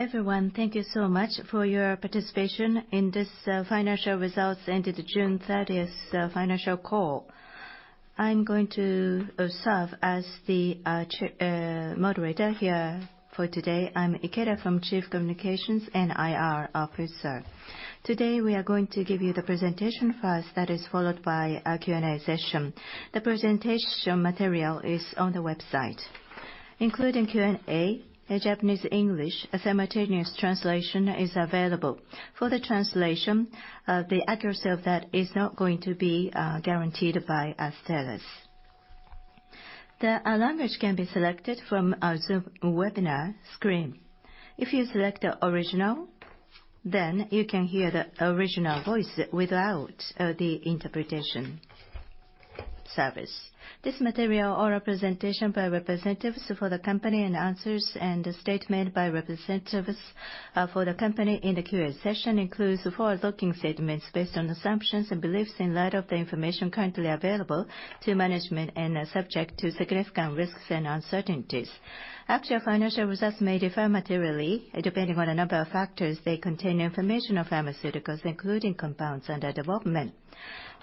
Everyone, thank you so much for your participation in this, financial results ended 30 June, financial call. I'm going to, serve as the, chair, moderator here for today. I'm Hiromi Ikeda, Chief Communications and IR Officer. Today, we are going to give you the presentation first, that is followed by a Q&A session. The presentation material is on the website, including Q&A, in Japanese, English, a simultaneous translation is available. For the translation, the accuracy of that is not going to be, guaranteed by, Astellas. The, language can be selected from, Zoom webinar screen. If you select, original, then you can hear the original voice without, the interpretation service. This material or representation by representatives for the company and answers and the statement by representatives for the company in the Q&A session includes forward-looking statements based on assumptions and beliefs in light of the information currently available to management, and are subject to significant risks and uncertainties. Actual financial results may differ materially, depending on a number of factors. They contain information on pharmaceuticals, including compounds under development.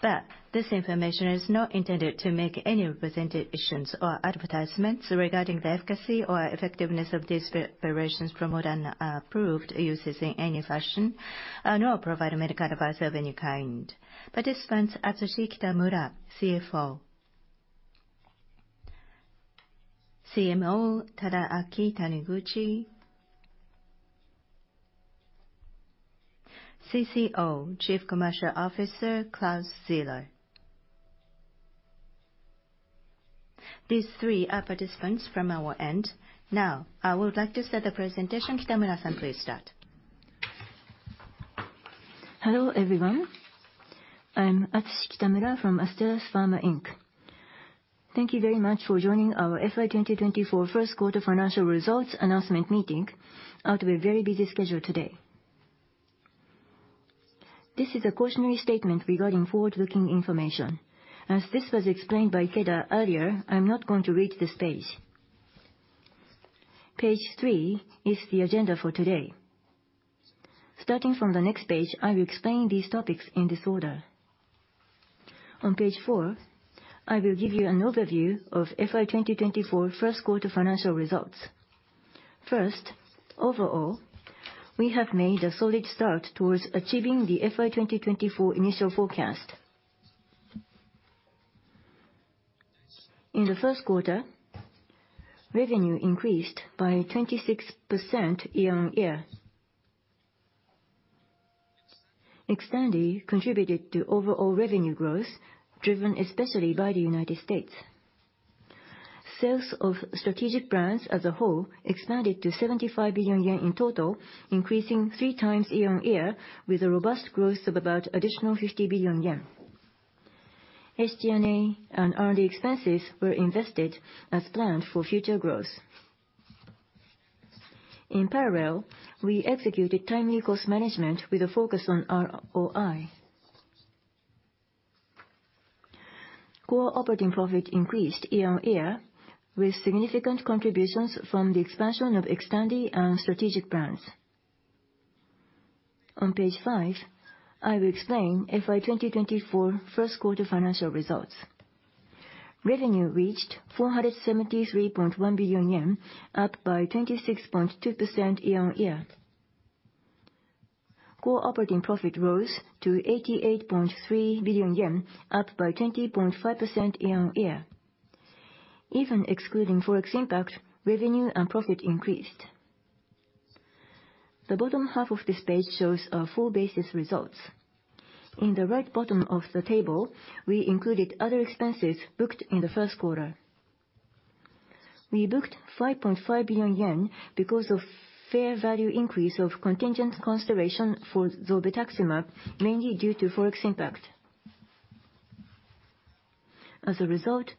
But this information is not intended to make any representations or advertisements regarding the efficacy or effectiveness of these preparations promoted in approved uses in any fashion, nor provide medical advice of any kind. Participants, Atsushi Kitamura, CFO. CMO, Tadaaki Taniguchi. CCO, Chief Commercial Officer, Claus Zieler. These three are participants from our end. Now, I would like to start the presentation. Kitamura-san, please start. Hello, everyone. I'm Atsushi Kitamura from Astellas Pharma Inc. Thank you very much for joining our FY2024 Q1 financial results announcement meeting, out of a very busy schedule today. This is a cautionary statement regarding forward-looking information. As this was explained by Ikeda earlier, I'm not going to read this page. Page 3 is the agenda for today. Starting from the next page, I will explain these topics in this order. On page 4, I will give you an overview of FY2024 Q1 financial results. First, overall, we have made a solid start towards achieving the FY2024 initial forecast. In the Q1, revenue increased by 26% year-on-year. XTANDI contributed to overall revenue growth, driven especially by the U.S.. Sales of strategic brands as a whole expanded to 75 billion yen in total, increasing 3 times year-on-year, with a robust growth of about additional 50 billion yen. SG&A and R&D expenses were invested as planned for future growth. In parallel, we executed timely cost management with a focus on ROI. Core operating profit increased year-on-year with significant contributions from the expansion of XTANDI and strategic brands. On page 5, I will explain FY2024 Q1 financial results. Revenue reached 473.1 billion yen, up by 26.2% year-on-year. Core operating profit rose to 88.3 billion yen, up by 20.5% year-on-year. Even excluding Forex impact, revenue and profit increased. The bottom half of this page shows our full business results. In the right bottom of the table, we included other expenses booked in the Q1. We booked 5.5 billion yen because of fair value increase of contingent consideration for zolbetuximab, mainly due to Forex impact. As a result,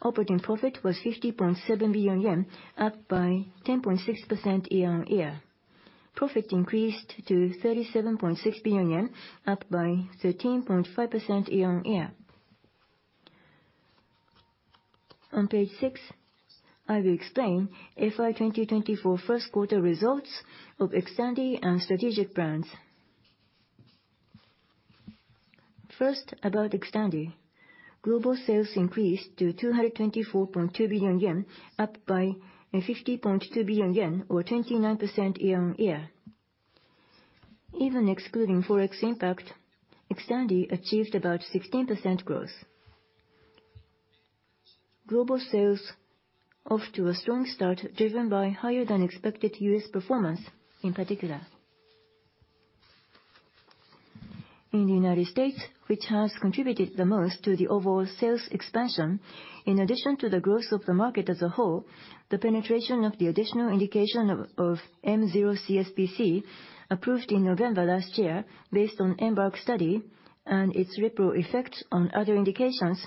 operating profit was 50.7 billion yen, up by 10.6% year-on-year. Profit increased to 37.6 billion yen, up by 13.5% year-on-year. On page 6, I will explain FY2024 Q1 results of XTANDI and strategic brands. First, about XTANDI. Global sales increased to 224.2 billion yen, up by 50.2 billion yen or 29% year-on-year. Even excluding Forex impact, XTANDI achieved about 16% growth. Global sales off to a strong start, driven by higher than expected U.S. performance, in particular. In the U.S., which has contributed the most to the overall sales expansion, in addition to the growth of the market as a whole, the penetration of the additional indication of M0 CSPC, approved in November last year based on EMBARK study and its ripple effect on other indications,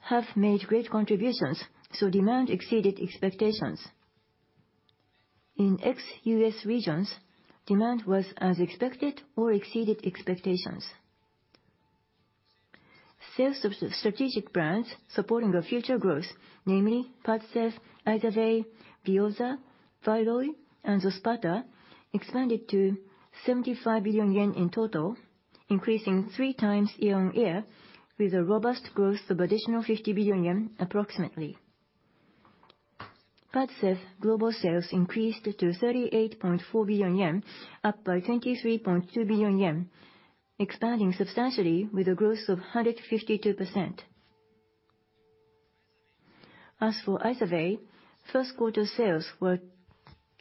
have made great contributions, so demand exceeded expectations. In ex-US regions, demand was as expected or exceeded expectations. Sales of strategic brands supporting our future growth, namely Padcev, Izervay, Veozah, Vyloy, and Xospata, expanded to 75 billion yen in total, increasing 3 times year-over-year, with a robust growth of additional 50 billion yen approximately. Padcev global sales increased to 38.4 billion yen, up by 23.2 billion yen, expanding substantially with a growth of 152%. As for Izervay, Q1 sales were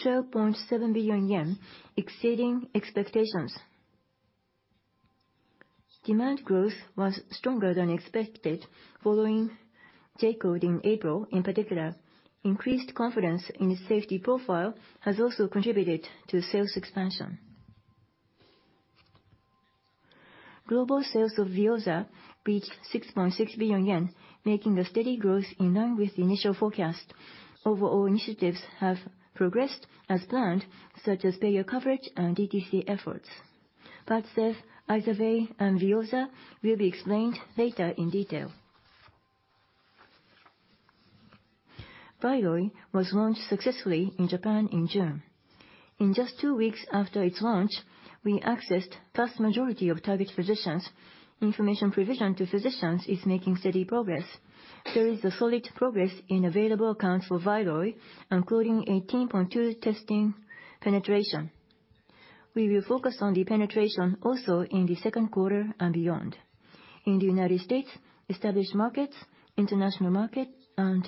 12.7 billion yen, exceeding expectations. Demand growth was stronger than expected following J-code in April. In particular, increased confidence in the safety profile has also contributed to sales expansion. Global sales of VEOZAH reached 6.6 billion yen, making a steady growth in line with the initial forecast. Overall initiatives have progressed as planned, such as payer coverage and DTC efforts. PADCEV, IZERVAY, and VEOZAH will be explained later in detail. VYLOY was launched successfully in Japan in June. In just 2 weeks after its launch, we accessed vast majority of target physicians. Information provision to physicians is making steady progress. There is a solid progress in available accounts for VYLOY, including 18.2 testing penetration. We will focus on the penetration also in the Q2 and beyond. In the U.S., established markets, international market, and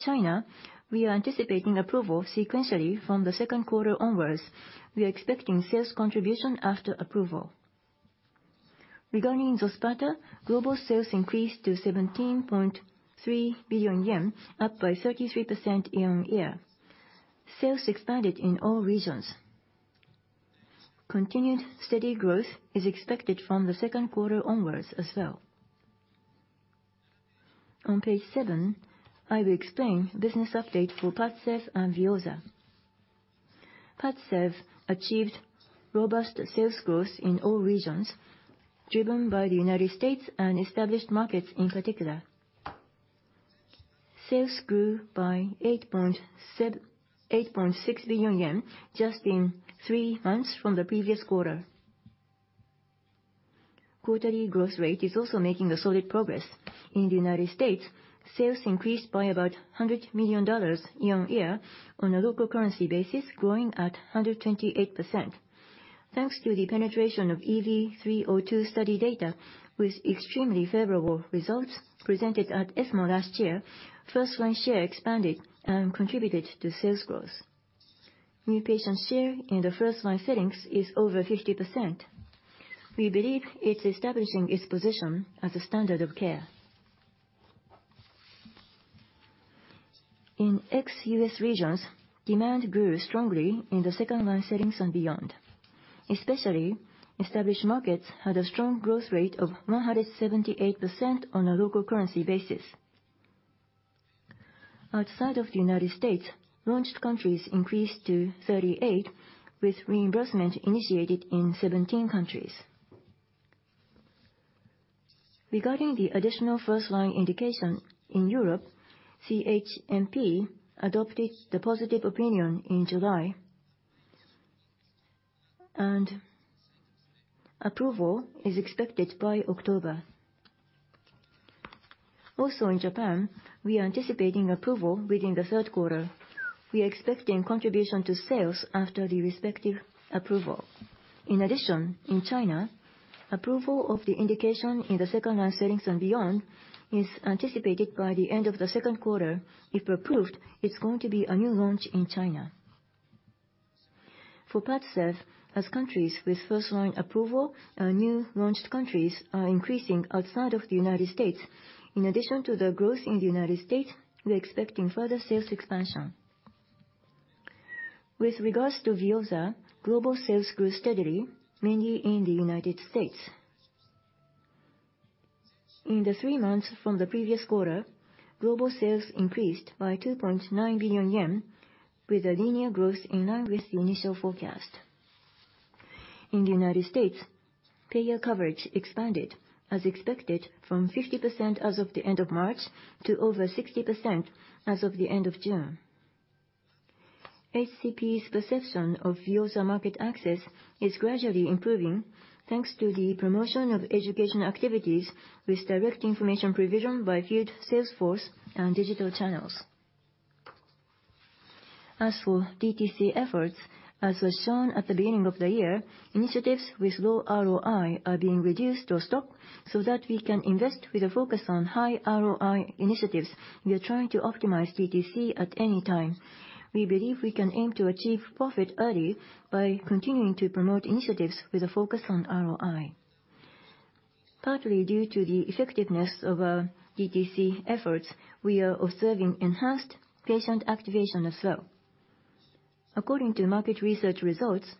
China, we are anticipating approval sequentially from the Q2 onwards. We are expecting sales contribution after approval. Regarding XOSPATA, global sales increased to 17.3 billion yen, up by 33% year-on-year. Sales expanded in all regions. Continued steady growth is expected from the Q2 onwards as well. On page seven, I will explain business update for PADCEV and VEOZAH. PADCEV achieved robust sales growth in all regions, driven by the U.S. and established markets in particular. Sales grew by JPY 8.7 billion, 8.6 billion yen just in three months from the previous quarter. Quarterly growth rate is also making a solid progress. In the U.S., sales increased by about $100 million year-on-year on a local currency basis, growing at 128%. Thanks to the penetration of EV-302 study data with extremely favorable results presented at ESMO last year, first-line share expanded and contributed to sales growth. New patient share in the first-line settings is over 50%. We believe it's establishing its position as a standard of care. In ex-US regions, demand grew strongly in the second-line settings and beyond. Especially, established markets had a strong growth rate of 178% on a local currency basis. Outside of the U.S., launched countries increased to 38, with reimbursement initiated in 17 countries. Regarding the additional first-line indication in Europe, CHMP adopted the positive opinion in July, and approval is expected by October. Also, in Japan, we are anticipating approval within the Q3. We are expecting contribution to sales after the respective approval. In addition, in China, approval of the indication in the second-line settings and beyond is anticipated by the end of the Q2. If approved, it's going to be a new launch in China. For PADCEV, as countries with first-line approval, our new launched countries are increasing outside of the U.S.. In addition to the growth in the U.S., we are expecting further sales expansion. With regards to VEOZAH, global sales grew steadily, mainly in the U.S.. In the three months from the previous quarter, global sales increased by 2.9 billion yen, with a linear growth in line with the initial forecast. In the U.S., payer coverage expanded as expected from 50% as of the end of March to over 60% as of the end of June. HCP's perception of VEOZAH market access is gradually improving, thanks to the promotion of education activities with direct information provision by field sales force and digital channels. As for DTC efforts, as was shown at the beginning of the year, initiatives with low ROI are being reduced or stopped so that we can invest with a focus on high ROI initiatives. We are trying to optimize DTC at any time. We believe we can aim to achieve profit early by continuing to promote initiatives with a focus on ROI. Partly due to the effectiveness of our DTC efforts, we are observing enhanced patient activation as well. According to market research results,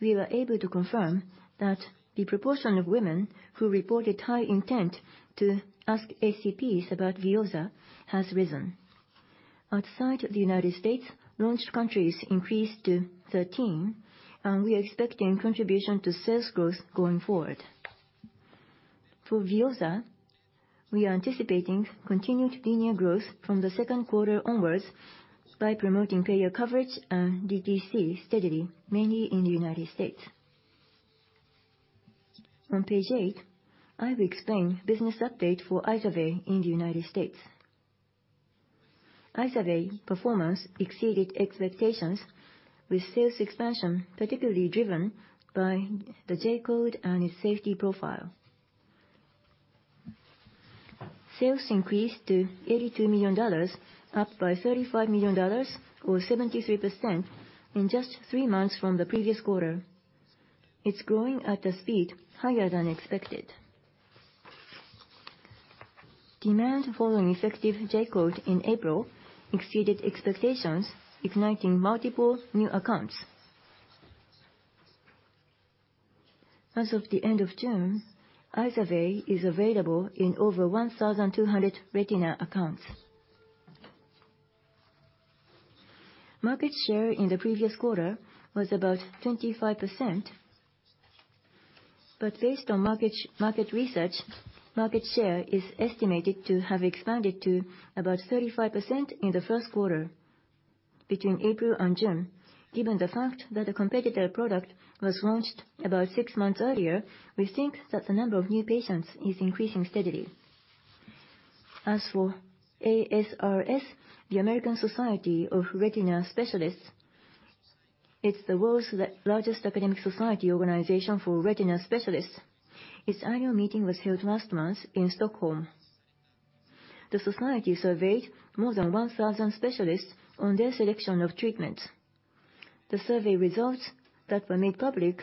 we were able to confirm that the proportion of women who reported high intent to ask HCPs about VEOZAH has risen... Outside the U.S., launched countries increased to 13, and we are expecting contribution to sales growth going forward. For VEOZAH, we are anticipating continued linear growth from the Q2 onwards by promoting payer coverage and DTC steadily, mainly in the U.S.. On page 8, I will explain business update for IZERVAY in the U.S.. IZERVAY performance exceeded expectations, with sales expansion particularly driven by the J-code and its safety profile. Sales increased to $82 million, up by $35 million or 73% in just three months from the previous quarter. It's growing at a speed higher than expected. Demand following effective J-code in April exceeded expectations, igniting multiple new accounts. As of the end of June, IZERVAY is available in over 1,200 retina accounts. Market share in the previous quarter was about 25%, but based on market research, market share is estimated to have expanded to about 35% in the Q1 between April and June. Given the fact that a competitor product was launched about six months earlier, we think that the number of new patients is increasing steadily. As for ASRS, the American Society of Retina Specialists, it's the world's largest academic society organization for retina specialists. Its annual meeting was held last month in Stockholm. The society surveyed more than 1,000 specialists on their selection of treatment. The survey results that were made public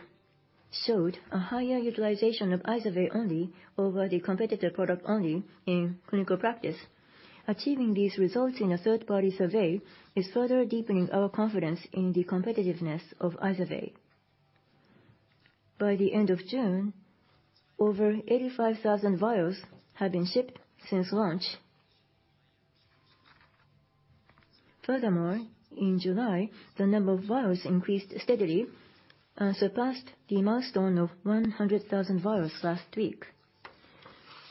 showed a higher utilization of IZERVAY only over the competitor product only in clinical practice. Achieving these results in a third-party survey is further deepening our confidence in the competitiveness of IZERVAY. By the end of June, over 85,000 vials have been shipped since launch. Furthermore, in July, the number of vials increased steadily and surpassed the milestone of 100,000 vials last week.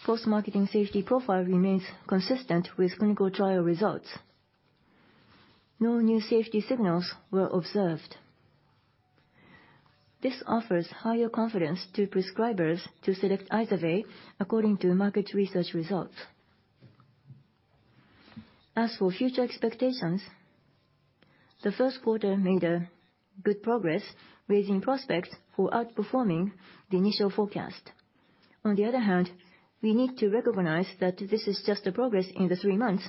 Post-marketing safety profile remains consistent with clinical trial results. No new safety signals were observed. This offers higher confidence to prescribers to select IZERVAY according to market research results. As for future expectations, the Q1 made a good progress, raising prospects for outperforming the initial forecast. On the other hand, we need to recognize that this is just a progress in the three months.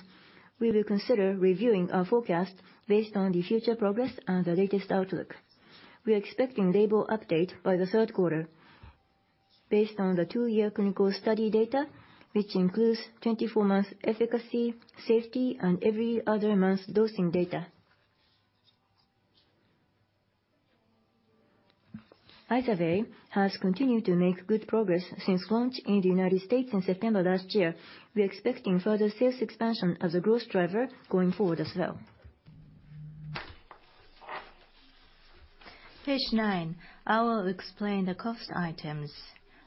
We will consider reviewing our forecast based on the future progress and the latest outlook. We are expecting label update by the Q3 based on the 2-year clinical study data, which includes 24-month efficacy, safety, and every other month dosing data. IZERVAY has continued to make good progress since launch in the U.S. in September last year. We are expecting further sales expansion as a growth driver going forward as well. Page nine, I will explain the cost items.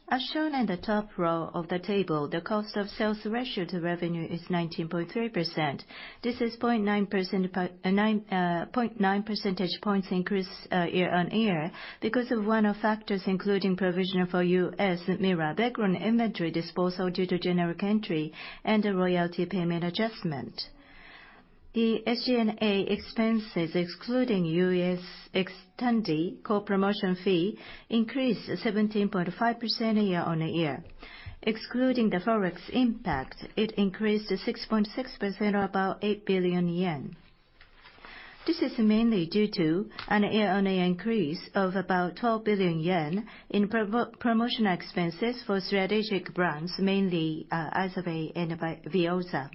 As shown in the top row of the table, the cost of sales ratio to revenue is 19.3%. This is 0.9 percentage points increase year-on-year because of one-off factors, including provision for US mirabegron inventory disposal due to generic entry and a royalty payment adjustment. The SG&A expenses, excluding US XTANDI co-promotion fee, increased 17.5% year-on-year. Excluding the Forex impact, it increased to 6.6% or about 8 billion yen. This is mainly due to a year-on-year increase of about 12 billion yen in promotional expenses for strategic brands, mainly IZERVAY and VEOZAH.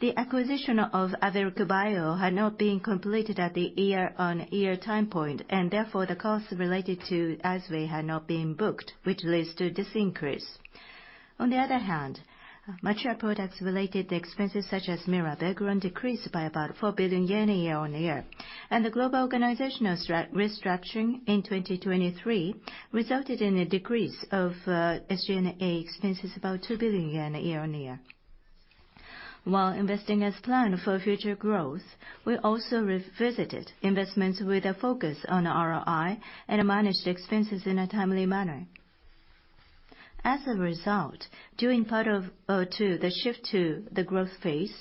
The acquisition of Iveric Bio had not been completed at the year-on-year time point, and therefore, the costs related to IZERVAY had not been booked, which leads to this increase. On the other hand, mature products-related expenses, such as mirabegron, decreased by about 4 billion yen year-on-year, and the global organizational restructuring in 2023 resulted in a decrease of SG&A expenses about 2 billion yen year-on-year. While investing as planned for future growth, we also re-visited investments with a focus on ROI and managed expenses in a timely manner. As a result, during part of Q2, the shift to the growth phase,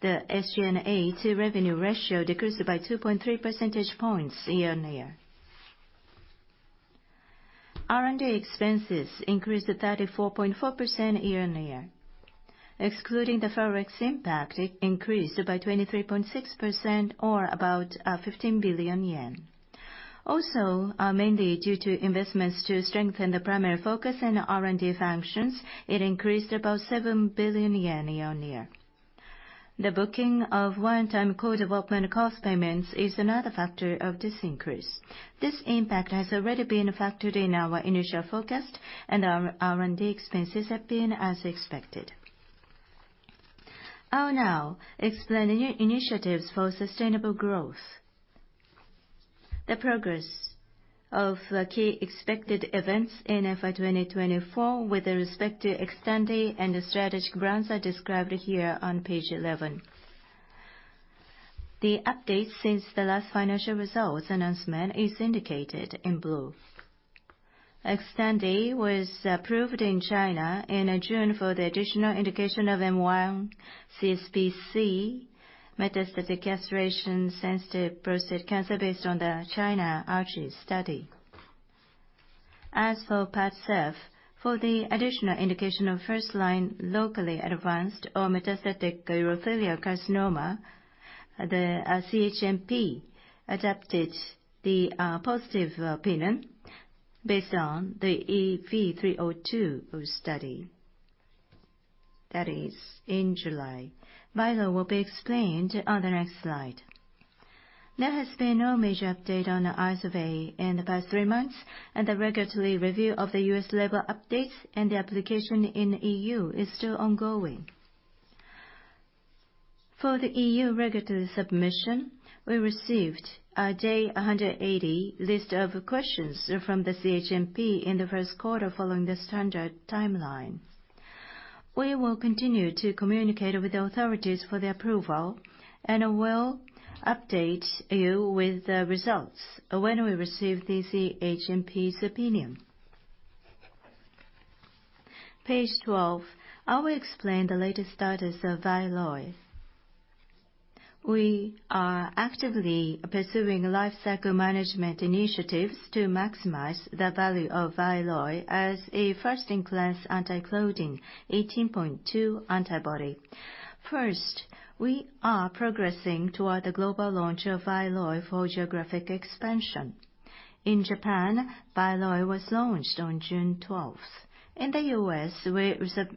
the SG&A to revenue ratio decreased by 2.3 percentage points year-on-year. R&D expenses increased to 34.4% year-on-year. Excluding the Forex impact, it increased by 23.6% or about 15 billion yen. Also, mainly due to investments to strengthen the primary focus and R&D functions, it increased about 7 billion yen year on year. The booking of one-time co-development cost payments is another factor of this increase. This impact has already been factored in our initial forecast, and our R&D expenses have been as expected. I'll now explain the new initiatives for sustainable growth. The progress of the key expected events in FY2024 with respect to XTANDI and the strategic brands are described here on page 11. The update since the last financial results announcement is indicated in blue. XTANDI was approved in China in June for the additional indication of mCSPC, metastatic castration-sensitive prostate cancer, based on the China ARCHES study. As for PADCEV, for the additional indication of first-line locally advanced or metastatic urothelial carcinoma, the CHMP adopted the positive opinion based on the EV-302 study. That is in July. VYLOY will be explained on the next slide. There has been no major update on the IZERVAY, and by 3 months, and the regulatory review of the U.S. label updates and the application in EU is still ongoing. For the EU regulatory submission, we received a Day 180 List of Questions from the CHMP in the Q1 following the standard timeline. We will continue to communicate with the authorities for the approval, and we'll update you with the results when we receive the CHMP's opinion. Page 12. I will explain the latest status of VYLOY. We are actively pursuing lifecycle management initiatives to maximize the value of VYLOY as a first-in-class anti-Claudin 18.2 antibody. First, we are progressing toward the global launch of IZERVAY for geographic expansion. In Japan, IZERVAY was launched on June 12th. In the U.S., we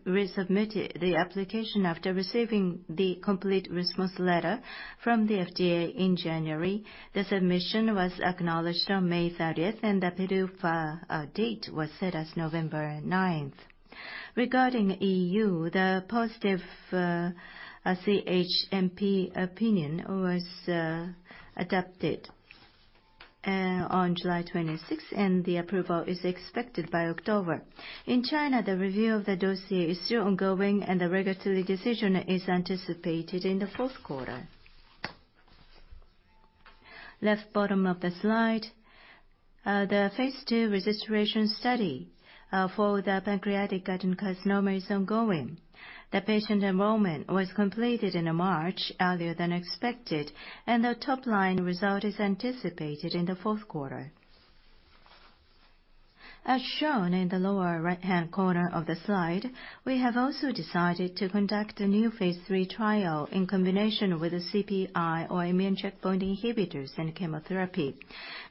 resubmitted the application after receiving the complete response letter from the FDA in January. The submission was acknowledged on May 30th, and the PDUFA date was set as November 9th. Regarding EU, the positive CHMP opinion was adopted on July 26, and the approval is expected by October. In China, the review of the dossier is still ongoing, and the regulatory decision is anticipated in the Q3. Left bottom of the slide, the Phase II registration study for the pancreatic adenocarcinoma is ongoing. The patient enrollment was completed in March, earlier than expected, and the top-line result is anticipated in the Q3. As shown in the lower right-hand corner of the slide, we have also decided to conduct a new Phase III trial in combination with a CPI or immune checkpoint inhibitors and chemotherapy.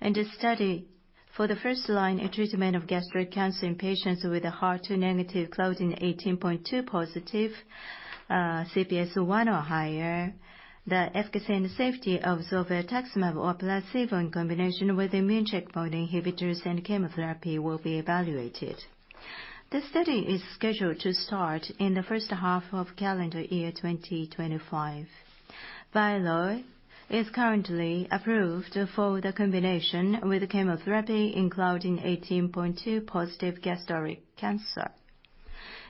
In the study, for the first-line, a treatment of gastric cancer in patients with a HER2-negative, Claudin 18.2-positive, CPS 1 or higher, the efficacy and safety of zolbetuximab or placebo in combination with immune checkpoint inhibitors and chemotherapy will be evaluated. The study is scheduled to start in the first half of calendar year 2025. VYLOY is currently approved for the combination with chemotherapy in Claudin 18.2-positive gastric cancer.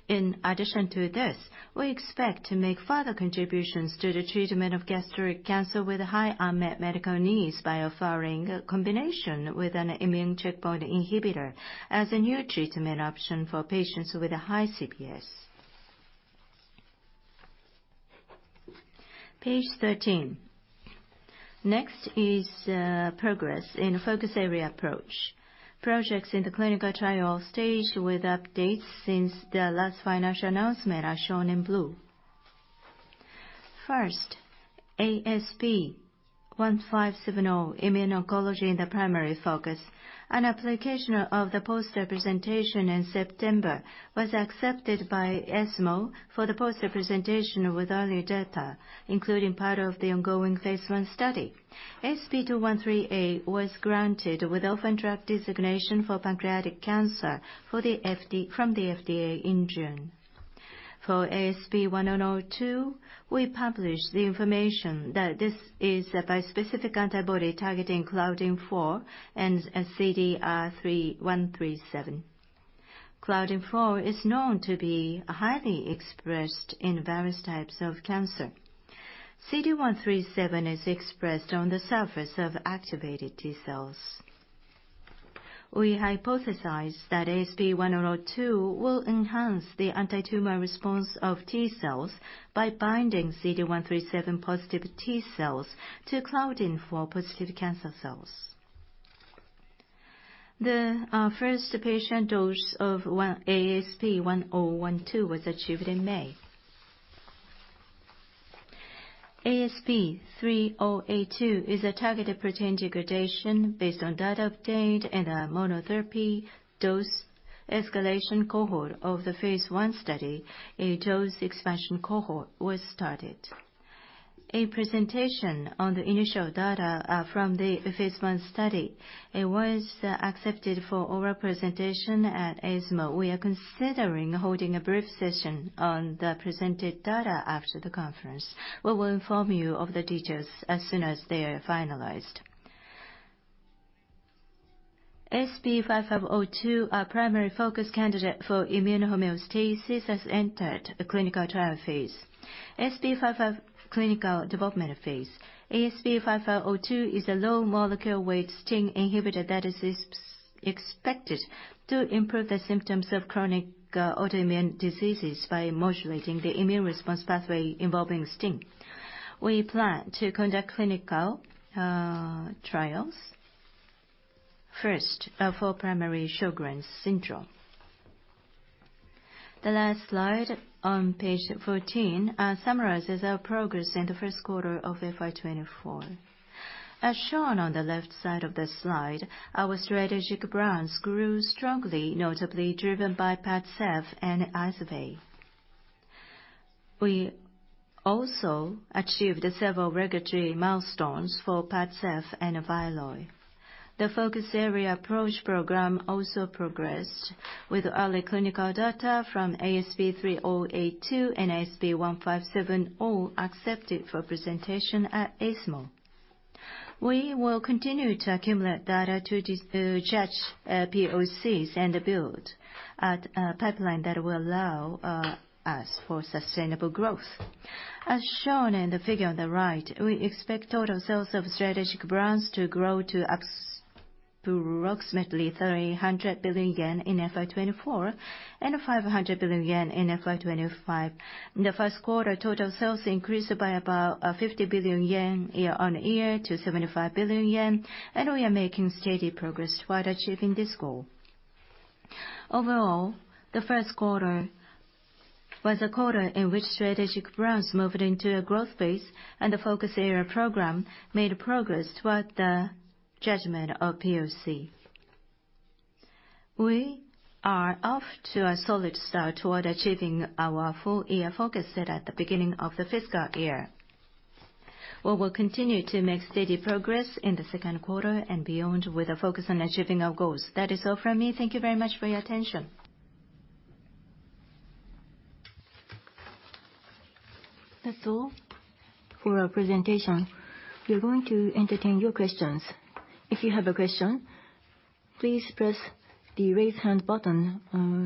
In addition to this, we expect to make further contributions to the treatment of gastric cancer with high unmet medical needs by offering a combination with an immune checkpoint inhibitor as a new treatment option for patients with a high CPS. Page 13. Next is progress in focus area approach. Projects in the clinical trial stage with updates since the last financial announcement are shown in blue. First, ASP1570, immuno-oncology in the primary focus. An application for the poster presentation in September was accepted by ESMO for the poster presentation with early data, including part of the ongoing Phase I study. ASP2138 was granted orphan drug designation for pancreatic cancer by the FDA in June. For ASP1002, we published the information that this is a bispecific antibody targeting Claudin-4 and CD137. Claudin-4 is known to be highly expressed in various types of cancer. CD137 is expressed on the surface of activated T-cells. We hypothesized that ASP1002 will enhance the antitumor response of T-cells by binding CD137 positive T-cells to Claudin-4 positive cancer cells. The first patient dose of ASP1012 was achieved in May. ASP3082 is a targeted protein degradation based on data obtained in a monotherapy dose escalation cohort of the Phase I study, a dose expansion cohort was started. A presentation on the initial data from the Phase I study, it was accepted for oral presentation at ESMO. We are considering holding a brief session on the presented data after the conference. We will inform you of the details as soon as they are finalized. ASP5502, our primary focus candidate for immune homeostasis, has entered the clinical trial phase. ASP5502, clinical development phase. ASP5502 is a low molecular weight STING inhibitor that is expected to improve the symptoms of chronic autoimmune diseases by modulating the immune response pathway involving STING. We plan to conduct clinical trials, first, for primary Sjögren's syndrome. The last slide on page 14 summarizes our progress in the Q1 of FY24. As shown on the left side of the slide, our strategic brands grew strongly, notably driven by PADCEV and IZERVAY. We also achieved several regulatory milestones for PADCEV and VYLOY. The focus area approach program also progressed with early clinical data from ASP3082 and ASP1570 accepted for presentation at ESMO. We will continue to accumulate data to judge POCs and build at a pipeline that will allow us for sustainable growth. As shown in the figure on the right, we expect total sales of strategic brands to grow to approximately 300 billion yen in FY24 and 500 billion yen in FY25. In the Q1, total sales increased by about 50 billion yen year-on-year to 75 billion yen, and we are making steady progress toward achieving this goal. Overall, the Q1 was a quarter in which strategic brands moved into a growth phase, and the focus area program made progress toward the judgment of POC. We are off to a solid start toward achieving our full year focus set at the beginning of the fiscal year. We will continue to make steady progress in the Q2 and beyond, with a focus on achieving our goals. That is all from me. Thank you very much for your attention. That's all for our presentation. We are going to entertain your questions. If you have a question, please press the Raise Hand button,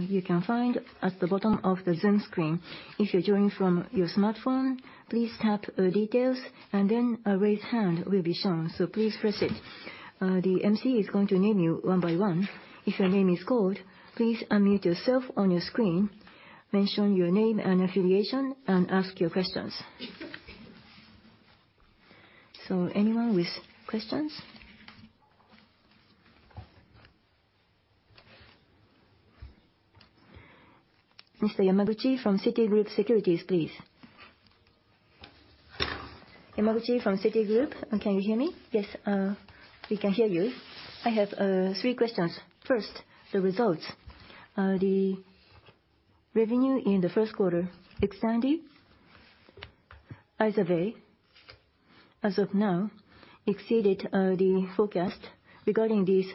you can find at the bottom of the Zoom screen. If you're joining from your smartphone, please tap, Details, and then a Raise Hand will be shown, so please press it. The MC is going to name you one by one. If your name is called, please unmute yourself on your screen, mention your name and affiliation, and ask your questions. So anyone with questions? Mr. Yamaguchi from Citigroup Securities, please. Yamaguchi from Citigroup. Can you hear me? Yes, we can hear you. I have three questions. First, the results. The revenue in the Q1, Xtandi, IZERVAY, as of now, exceeded the forecast. Regarding these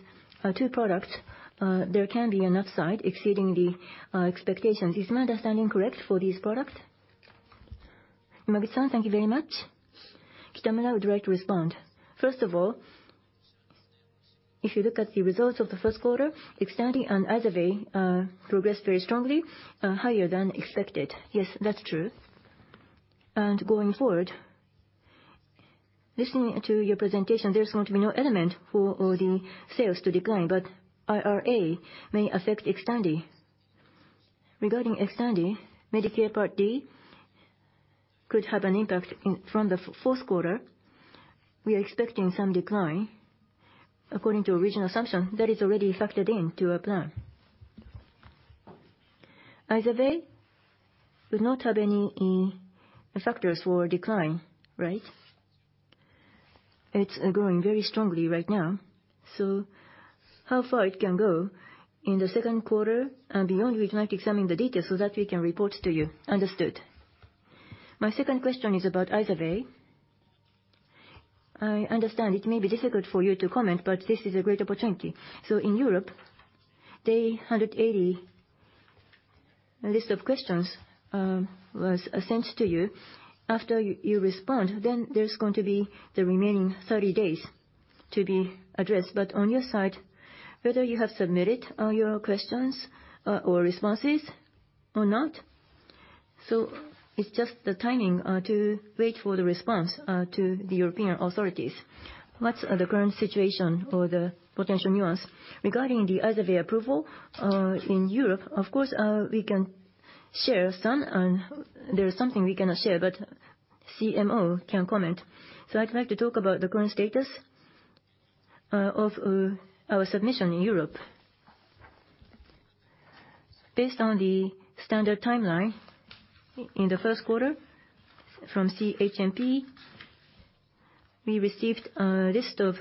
two products, there can be an upside exceeding the expectations. Is my understanding correct for these products? Yamaguchi-san, thank you very much. Kitamura would like to respond. First of all, if you look at the results of the Q1, XTANDI and IZERVAY progressed very strongly, higher than expected. Yes, that's true. Going forward, listening to your presentation, there's going to be no element for the sales to decline, but IRA may affect XTANDI. Regarding XTANDI, Medicare Part D could have an impact in, from the Q3. We are expecting some decline. According to original assumption, that is already factored into our plan. IZERVAY will not have any factors for decline, right? It's growing very strongly right now, so how far it can go in the Q2 and beyond, we'd like to examine the data so that we can report to you. Understood. My second question is about IZERVAY. I understand it may be difficult for you to comment, but this is a great opportunity. So in Europe, the 180 list of questions was sent to you. After you respond, then there's going to be the remaining 30 days to be addressed. But on your side, whether you have submitted your questions or responses or not, so it's just the timing to wait for the response to the European authorities. What's the current situation or the potential nuance? Regarding the IZERVAY approval in Europe, of course, we can share some, and there is something we cannot share, but CMO can comment. So I'd like to talk about the current status of our submission in Europe. Based on the standard timeline, in the Q1 from CHMP. We received a list of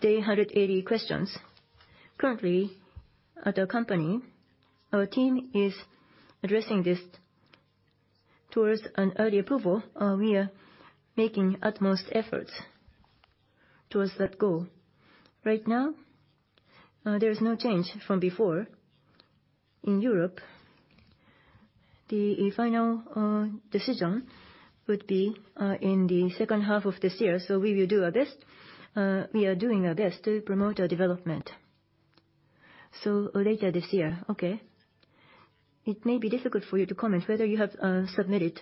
380 questions. Currently, at our company, our team is addressing this towards an early approval. We are making utmost efforts towards that goal. Right now, there is no change from before. In Europe, the final decision would be in the second half of this year, so we will do our best. We are doing our best to promote our development. So later this year, okay. It may be difficult for you to comment whether you have submitted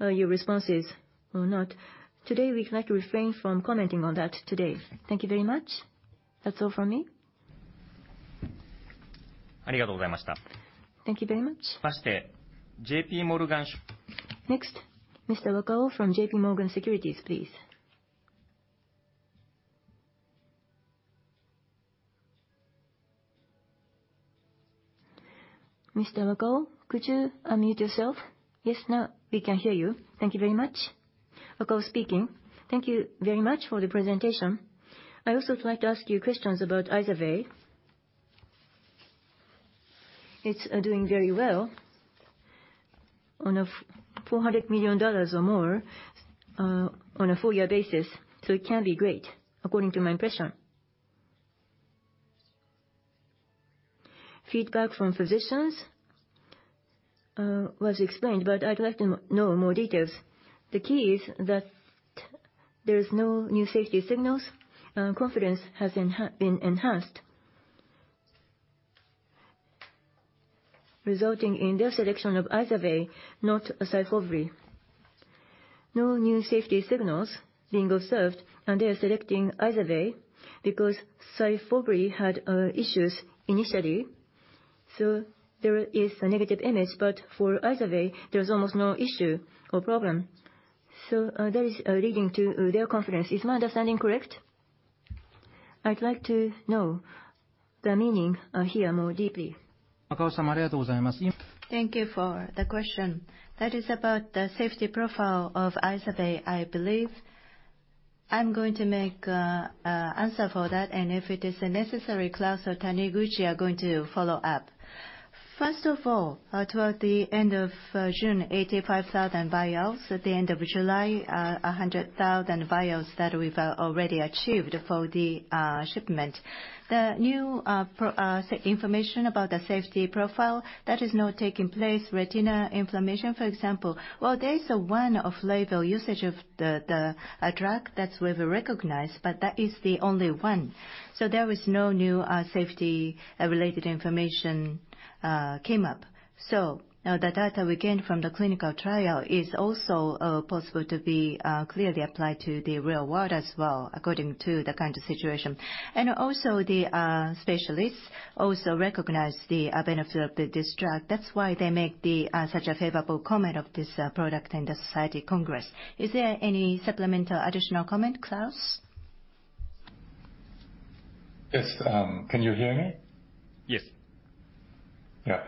your responses or not. Today, we'd like to refrain from commenting on that today. Thank you very much. That's all from me. Thank you very much. Thank you very much. J.P. Morgan. Next, Mr. Wakao from J.P. Morgan Securities, please. Mr. Wakao, could you unmute yourself? Yes, now we can hear you. Thank you very much. Wakao speaking. Thank you very much for the presentation. I also would like to ask you questions about IZERVAY. It's doing very well on a $400 million or more on a full year basis, so it can be great, according to my impression. Feedback from physicians was explained, but I'd like to know more details. The key is that there's no new safety signals, and confidence has been enhanced, resulting in their selection of IZERVAY, not SYFOVRE. No new safety signals being observed, and they are selecting IZERVAY because SYFOVRE had issues initially. So there is a negative image, but for IZERVAY, there's almost no issue or problem. So that is leading to their confidence. Is my understanding correct? I'd like to know the meaning here more deeply. Thank you for the question. That is about the safety profile of IZERVAY, I believe. I'm going to make an answer for that, and if it is necessary, Claus or Taniguchi are going to follow up. First of all, toward the end of June, 85,000 vials, at the end of July, 100,000 vials that we've already achieved for the shipment. The new product information about the safety profile, that is not taking place. Retina inflammation, for example, well, there is a one-off label usage of the drug that we've recognized, but that is the only one. So there was no new safety related information came up. So, the data we gained from the clinical trial is also possible to be clearly applied to the real world as well, according to the current situation. And also, the specialists also recognize the benefit of this drug. That's why they make such a favorable comment of this product in the Society Congress. Is there any supplemental additional comment, Claus? Yes. Can you hear me? Yes. Yeah.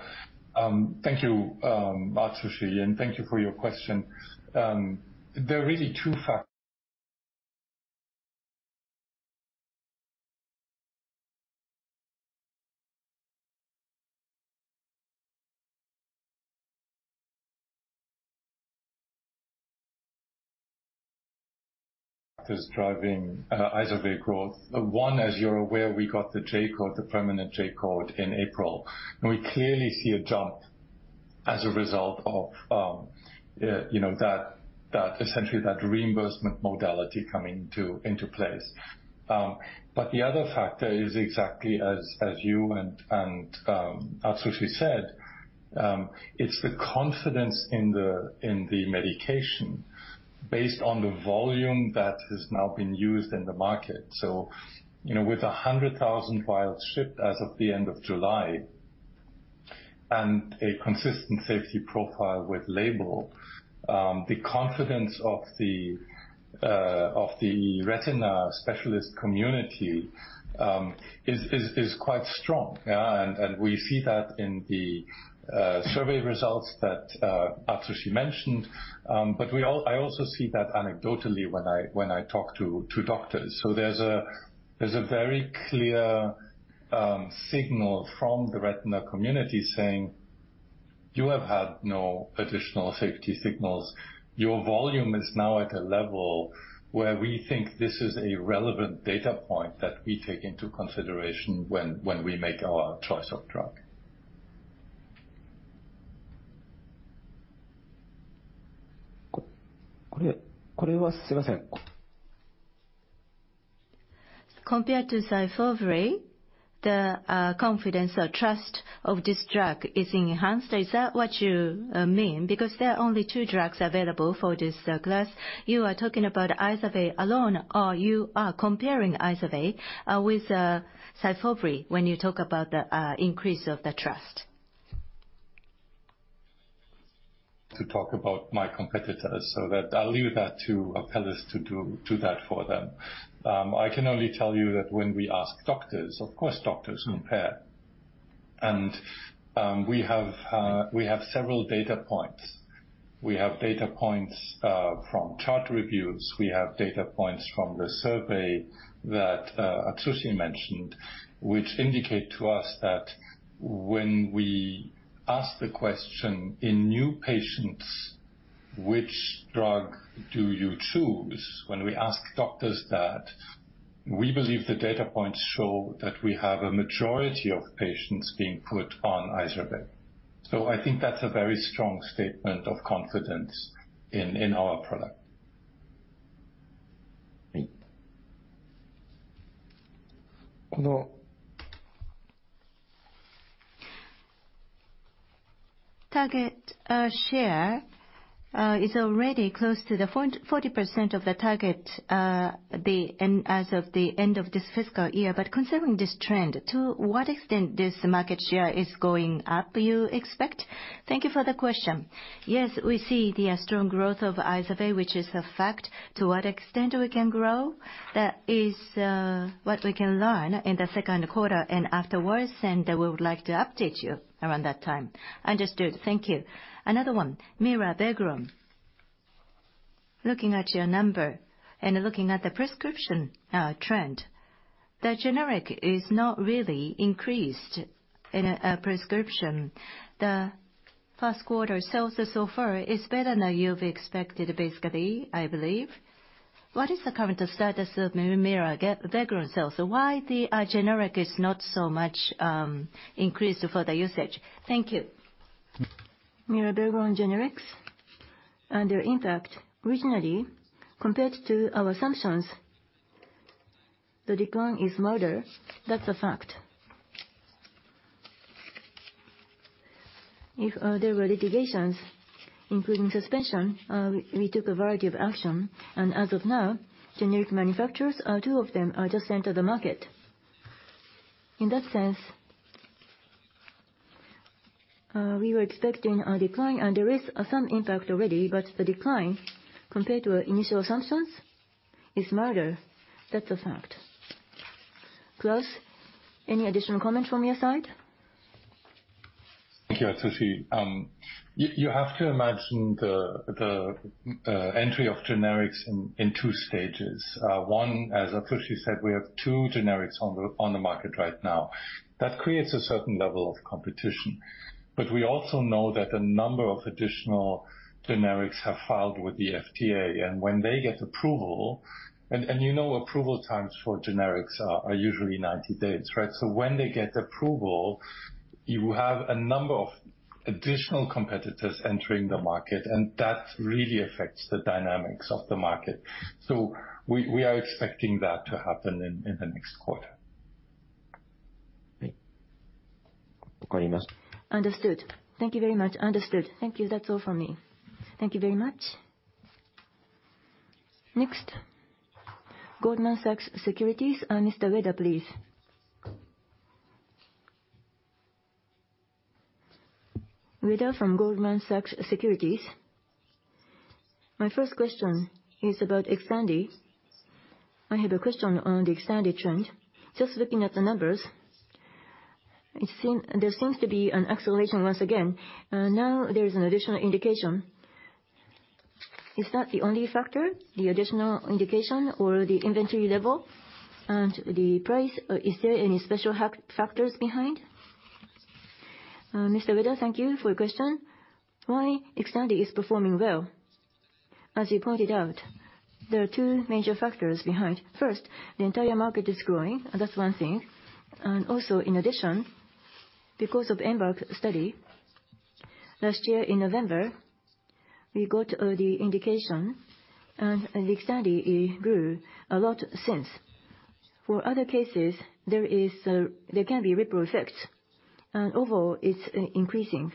Thank you, Atsushi, and thank you for your question. There are really two factors driving IZERVAY growth. One, as you're aware, we got the J-code, the permanent J-code, in April, and we clearly see a jump as a result of, you know, that, that, essentially that reimbursement modality coming to, into place. But the other factor is exactly as, as you and, and, Atsushi said, it's the confidence in the, in the medication based on the volume that has now been used in the market. So, you know, with 100,000 vials shipped as of the end of July, and a consistent safety profile with label, the confidence of the, of the retina specialist community, is, is, is quite strong. Yeah, and we see that in the survey results that Atsushi mentioned. But I also see that anecdotally when I talk to doctors. So there's a very clear signal from the retina community saying, "You have had no additional safety signals. Your volume is now at a level where we think this is a relevant data point that we take into consideration when we make our choice of drug. Compared to SYFOVRE, the confidence or trust of this drug is enhanced. Is that what you mean? Because there are only two drugs available for this class. You are talking about IZERVAY alone, or you are comparing IZERVAY with SYFOVRE when you talk about the increase of the trust? ...To talk about my competitors, so that I'll leave that to Apellis to do, do that for them. I can only tell you that when we ask doctors, of course, doctors compare.... And, we have several data points. We have data points from chart reviews, we have data points from the survey that Atsushi mentioned, which indicate to us that when we ask the question, "In new patients, which drug do you choose?" When we ask doctors that, we believe the data points show that we have a majority of patients being put on IZERVAY. So I think that's a very strong statement of confidence in our product. Target share is already close to the 40% of the target as of the end of this fiscal year. But considering this trend, to what extent this market share is going up, you expect? Thank you for the question. Yes, we see the strong growth of IZERVAY, which is a fact. To what extent we can grow, that is what we can learn in the Q2 and afterwards, and we would like to update you around that time. Understood. Thank you. Another one, mirabegron. Looking at your number and looking at the prescription trend, the generic is not really increased in a prescription. The Q1 sales so far is better than you've expected, basically, I believe. What is the current status of mirabegron sales? So why the generic is not so much increased for the usage? Thank you. Myrbetriq generics, and in fact, originally, compared to our assumptions, the decline is milder. That's a fact. If there were litigations, including suspension, we took a variety of action, and as of now, generic manufacturers, two of them are just entered the market. In that sense, we were expecting a decline, and there is some impact already, but the decline compared to our initial assumptions is milder. That's a fact. Claus, any additional comment from your side? Thank you, Atsushi. You have to imagine the entry of generics in two stages. One, as Atsushi said, we have two generics on the market right now. That creates a certain level of competition. But we also know that a number of additional generics have filed with the FTA, and when they get approval. And you know, approval times for generics are usually 90 days, right? So when they get approval, you have a number of additional competitors entering the market, and that really affects the dynamics of the market. So we are expecting that to happen in the next quarter. Understood. Thank you very much. Understood. Thank you. That's all for me. Thank you very much. Next, Goldman Sachs Securities, and Mr. Ueda, please. Ueda from Goldman Sachs. My first question is about XTANDI. I have a question on the XTANDI trend. Just looking at the numbers, there seems to be an acceleration once again. Now there is an additional indication. Is that the only factor, the additional indication or the inventory level and the price? Is there any special factors behind? Mr. Ueda, thank you for your question. Why XTANDI is performing well? As you pointed out, there are two major factors behind. First, the entire market is growing, and that's one thing. And also, in addition, because of EMBARK study, last year in November, we got the indication, and XTANDI, it grew a lot since. For other cases, there can be ripple effects, and overall, it's increasing.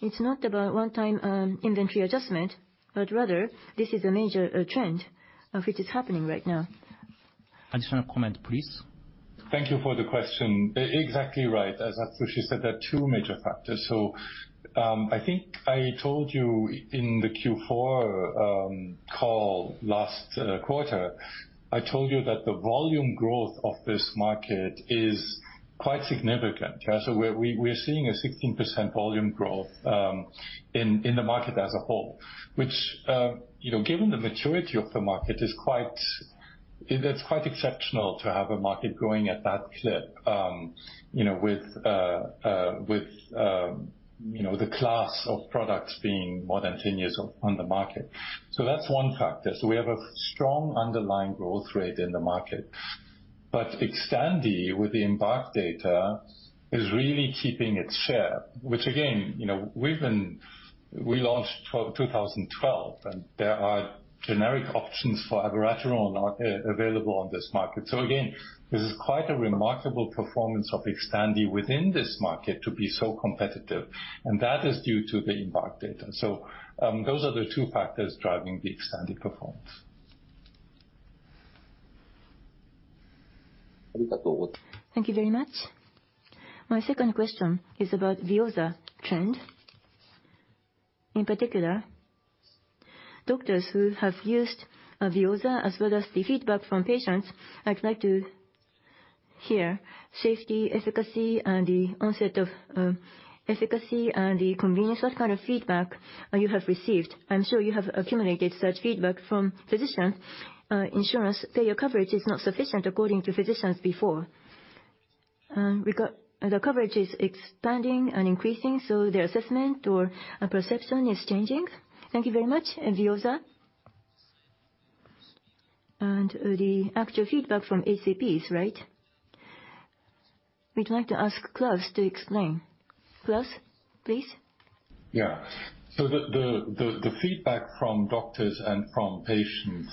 It's not about one-time inventory adjustment, but rather, this is a major trend of which is happening right now. Additional comment, please. Thank you for the question. Exactly right. As Atsushi said, there are two major factors. So, I think I told you in the Q4 call last quarter, I told you that the volume growth of this market is quite significant. Yeah, so we're seeing a 16% volume growth in the market as a whole, which, you know, given the maturity of the market, is quite... It's quite exceptional to have a market growing at that clip, you know, with the class of products being more than 10 years on the market. So that's one factor. So we have a strong underlying growth rate in the market. But XTANDI, with the EMBARK data, is really keeping its share, which again, you know, we launched 2012, and there are generic options for abiraterone now available on this market. So again, this is quite a remarkable performance of XTANDI within this market to be so competitive, and that is due to the EMBARK data. So, those are the two factors driving the XTANDI performance. Thank you very much. My second question is about the other trend.... in particular, doctors who have used VEOZAH, as well as the feedback from patients, I'd like to hear safety, efficacy, and the onset of efficacy and the convenience. What kind of feedback you have received? I'm sure you have accumulated such feedback from physicians. Insurance payer coverage is not sufficient according to physicians before. And the coverage is expanding and increasing, so their assessment or perception is changing. Thank you very much, VEOZAH. And the actual feedback from HCPs, right? We'd like to ask Claus to explain. Claus, please. Yeah. So the feedback from doctors and from patients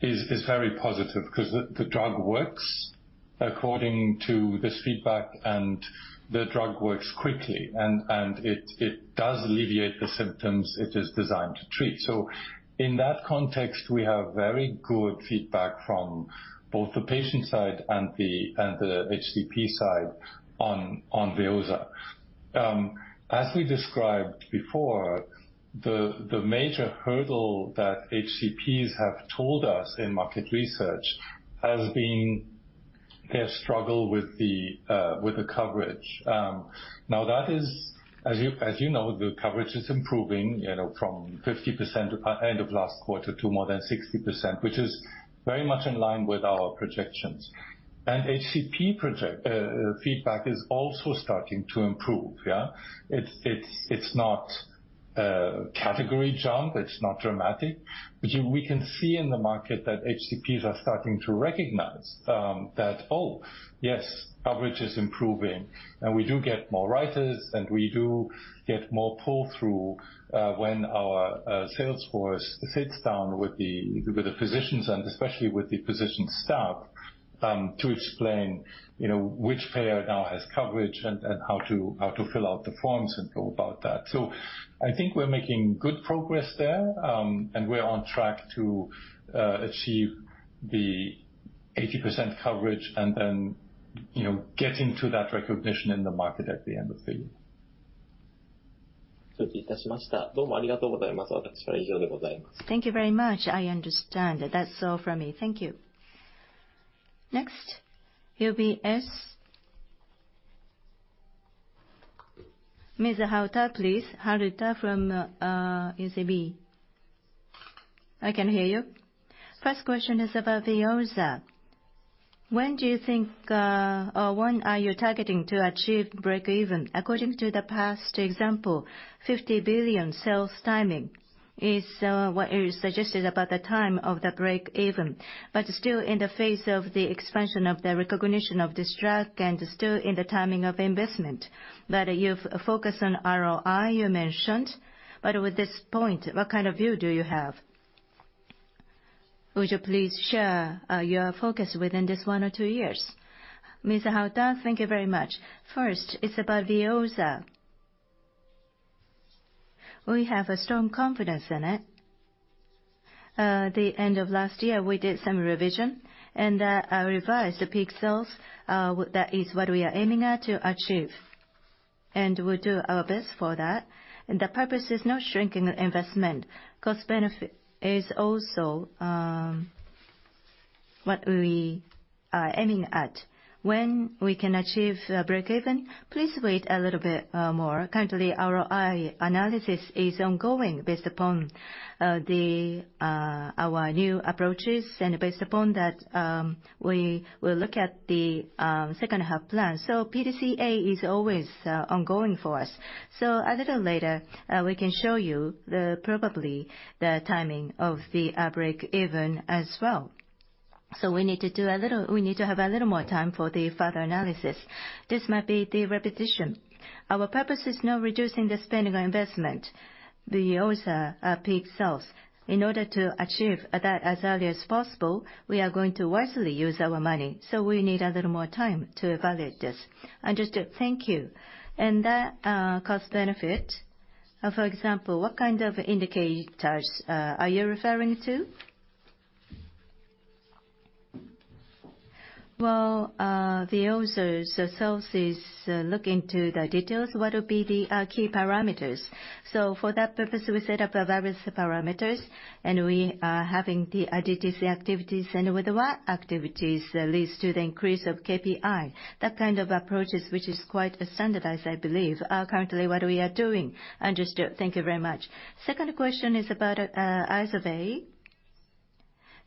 is very positive, 'cause the drug works according to this feedback, and the drug works quickly. And it does alleviate the symptoms it is designed to treat. So in that context, we have very good feedback from both the patient side and the HCP side on VEOZAH. As we described before, the major hurdle that HCPs have told us in market research has been their struggle with the coverage. Now, that is, as you know, the coverage is improving, you know, from 50% at end of last quarter to more than 60%, which is very much in line with our projections. And HCP feedback is also starting to improve. Yeah? It's not a category jump. It's not dramatic. But we can see in the market that HCPs are starting to recognize that, oh, yes, coverage is improving. And we do get more writers, and we do get more pull-through when our sales force sits down with the physicians, and especially with the physician's staff, to explain, you know, which payer now has coverage and how to fill out the forms and go about that. So I think we're making good progress there, and we're on track to achieve the 80% coverage, and then, you know, getting to that recognition in the market at the end of the year. Thank you very much. I understand. That's all from me. Thank you. Next, UBS. Ms. Haruta, please. Haruta from UBS. I can hear you. First question is about VEOZAH. When do you think or when are you targeting to achieve breakeven? According to the past example, 50 billion sales timing is what is suggested about the time of the breakeven. But still in the face of the expansion of the recognition of this drug and still in the timing of investment that you've focused on ROI, you mentioned. But with this point, what kind of view do you have? Would you please share your focus within this one or two years? Ms. Haruta, thank you very much. First, it's about VEOZAH. We have a strong confidence in it. The end of last year, we did some revision, and I revised the peak sales, that is what we are aiming at to achieve, and we'll do our best for that. The purpose is not shrinking investment. Cost benefit is also what we are aiming at. When we can achieve breakeven, please wait a little bit more. Currently, ROI analysis is ongoing based upon our new approaches, and based upon that, we will look at the second half plan. So PDCA is always ongoing for us. So a little later, we can show you probably the timing of the breakeven as well. So we need to do a little, we need to have a little more time for the further analysis. This might be the repetition. Our purpose is not reducing the spending or investment. VEOZAH peak sales, in order to achieve that as early as possible, we are going to wisely use our money, so we need a little more time to evaluate this. Understood. Thank you. And the cost benefit, for example, what kind of indicators are you referring to? Well, the users themselves is look into the details, what will be the key parameters. So for that purpose, we set up various parameters, and we are having the DTC activities. And with what activities leads to the increase of KPI? That kind of approaches, which is quite standardized, I believe, are currently what we are doing. Understood. Thank you very much. Second question is about IZERVAY.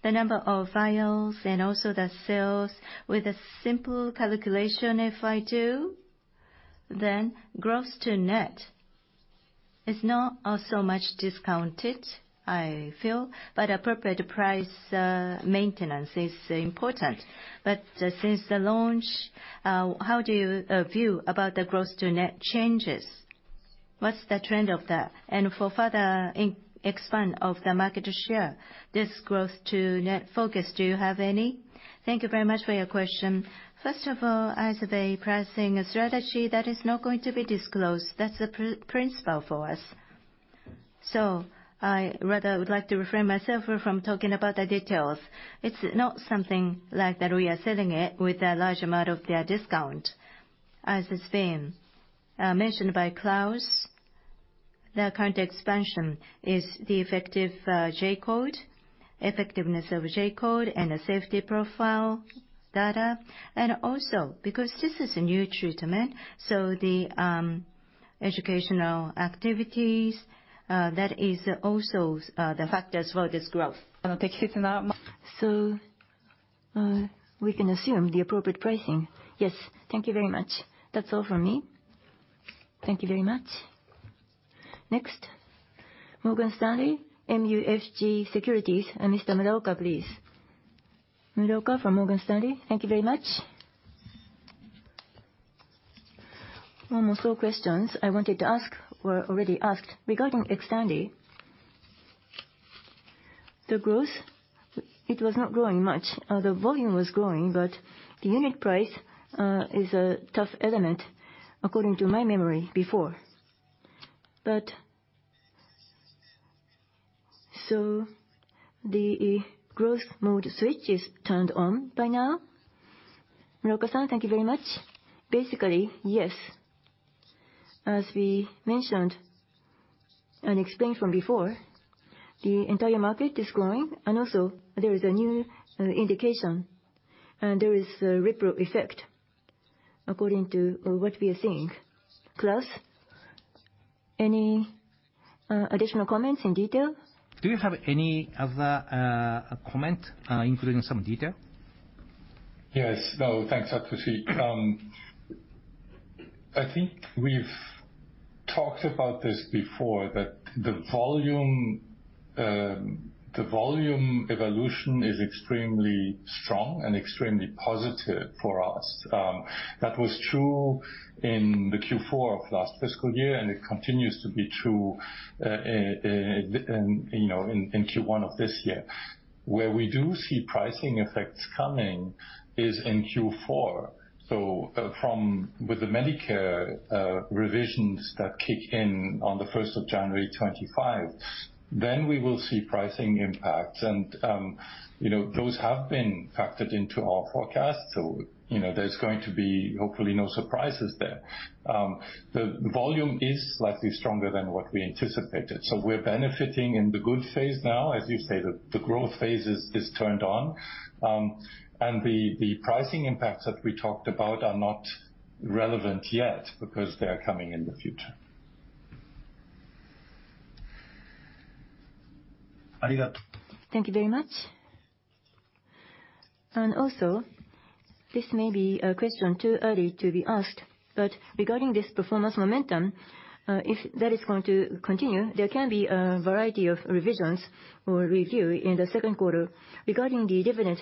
The number of vials and also the sales. With a simple calculation, if I do, then gross to net is not so much discounted, I feel, but appropriate price maintenance is important. But since the launch, how do you view about the gross to net changes? What's the trend of that? And for further expansion of the market share, this gross to net focus, do you have any? Thank you very much for your question. First of all, IZERVAY pricing strategy, that is not going to be disclosed. That's a principle for us.... So I rather would like to refrain myself from talking about the details. It's not something like that we are selling it with a large amount of discount. As it's been mentioned by Claus, the current expansion is the effective J-code, effectiveness of J-code and the safety profile data, and also because this is a new treatment, so the educational activities that is also the factors for this growth. So we can assume the appropriate pricing? Yes. Thank you very much. That's all from me. Thank you very much. Next, Morgan Stanley MUFG Securities, and Mr. Muraoka, please. Muraoka from Morgan Stanley, thank you very much. Well, most all questions I wanted to ask were already asked. Regarding XTANDI, the growth, it was not growing much. The volume was growing, but the unit price is a tough element according to my memory before. So the growth mode switch is turned on by now? Muraoka-san, thank you very much. Basically, yes. As we mentioned and explained from before, the entire market is growing, and also there is a new indication, and there is a ripple effect according to what we are seeing. Claus, any additional comments in detail? Do you have any other comment, including some detail? Yes. No, thanks, Atsushi. I think we've talked about this before, that the volume, the volume evolution is extremely strong and extremely positive for us. That was true in the Q4 of last fiscal year, and it continues to be true, in, you know, in, in Q1 of this year. Where we do see pricing effects coming is in Q4, so, from, with the Medicare revisions that kick in on the 1st of January 2025, then we will see pricing impacts. And, you know, those have been factored into our forecast, so, you know, there's going to be hopefully no surprises there. The volume is slightly stronger than what we anticipated, so we're benefiting in the good phase now. As you say, the, the growth phase is, is turned on. The pricing impacts that we talked about are not relevant yet because they are coming in the future. Thank you very much. Also, this may be a question too early to be asked, but regarding this performance momentum, if that is going to continue, there can be a variety of revisions or review in the Q2. Regarding the dividend,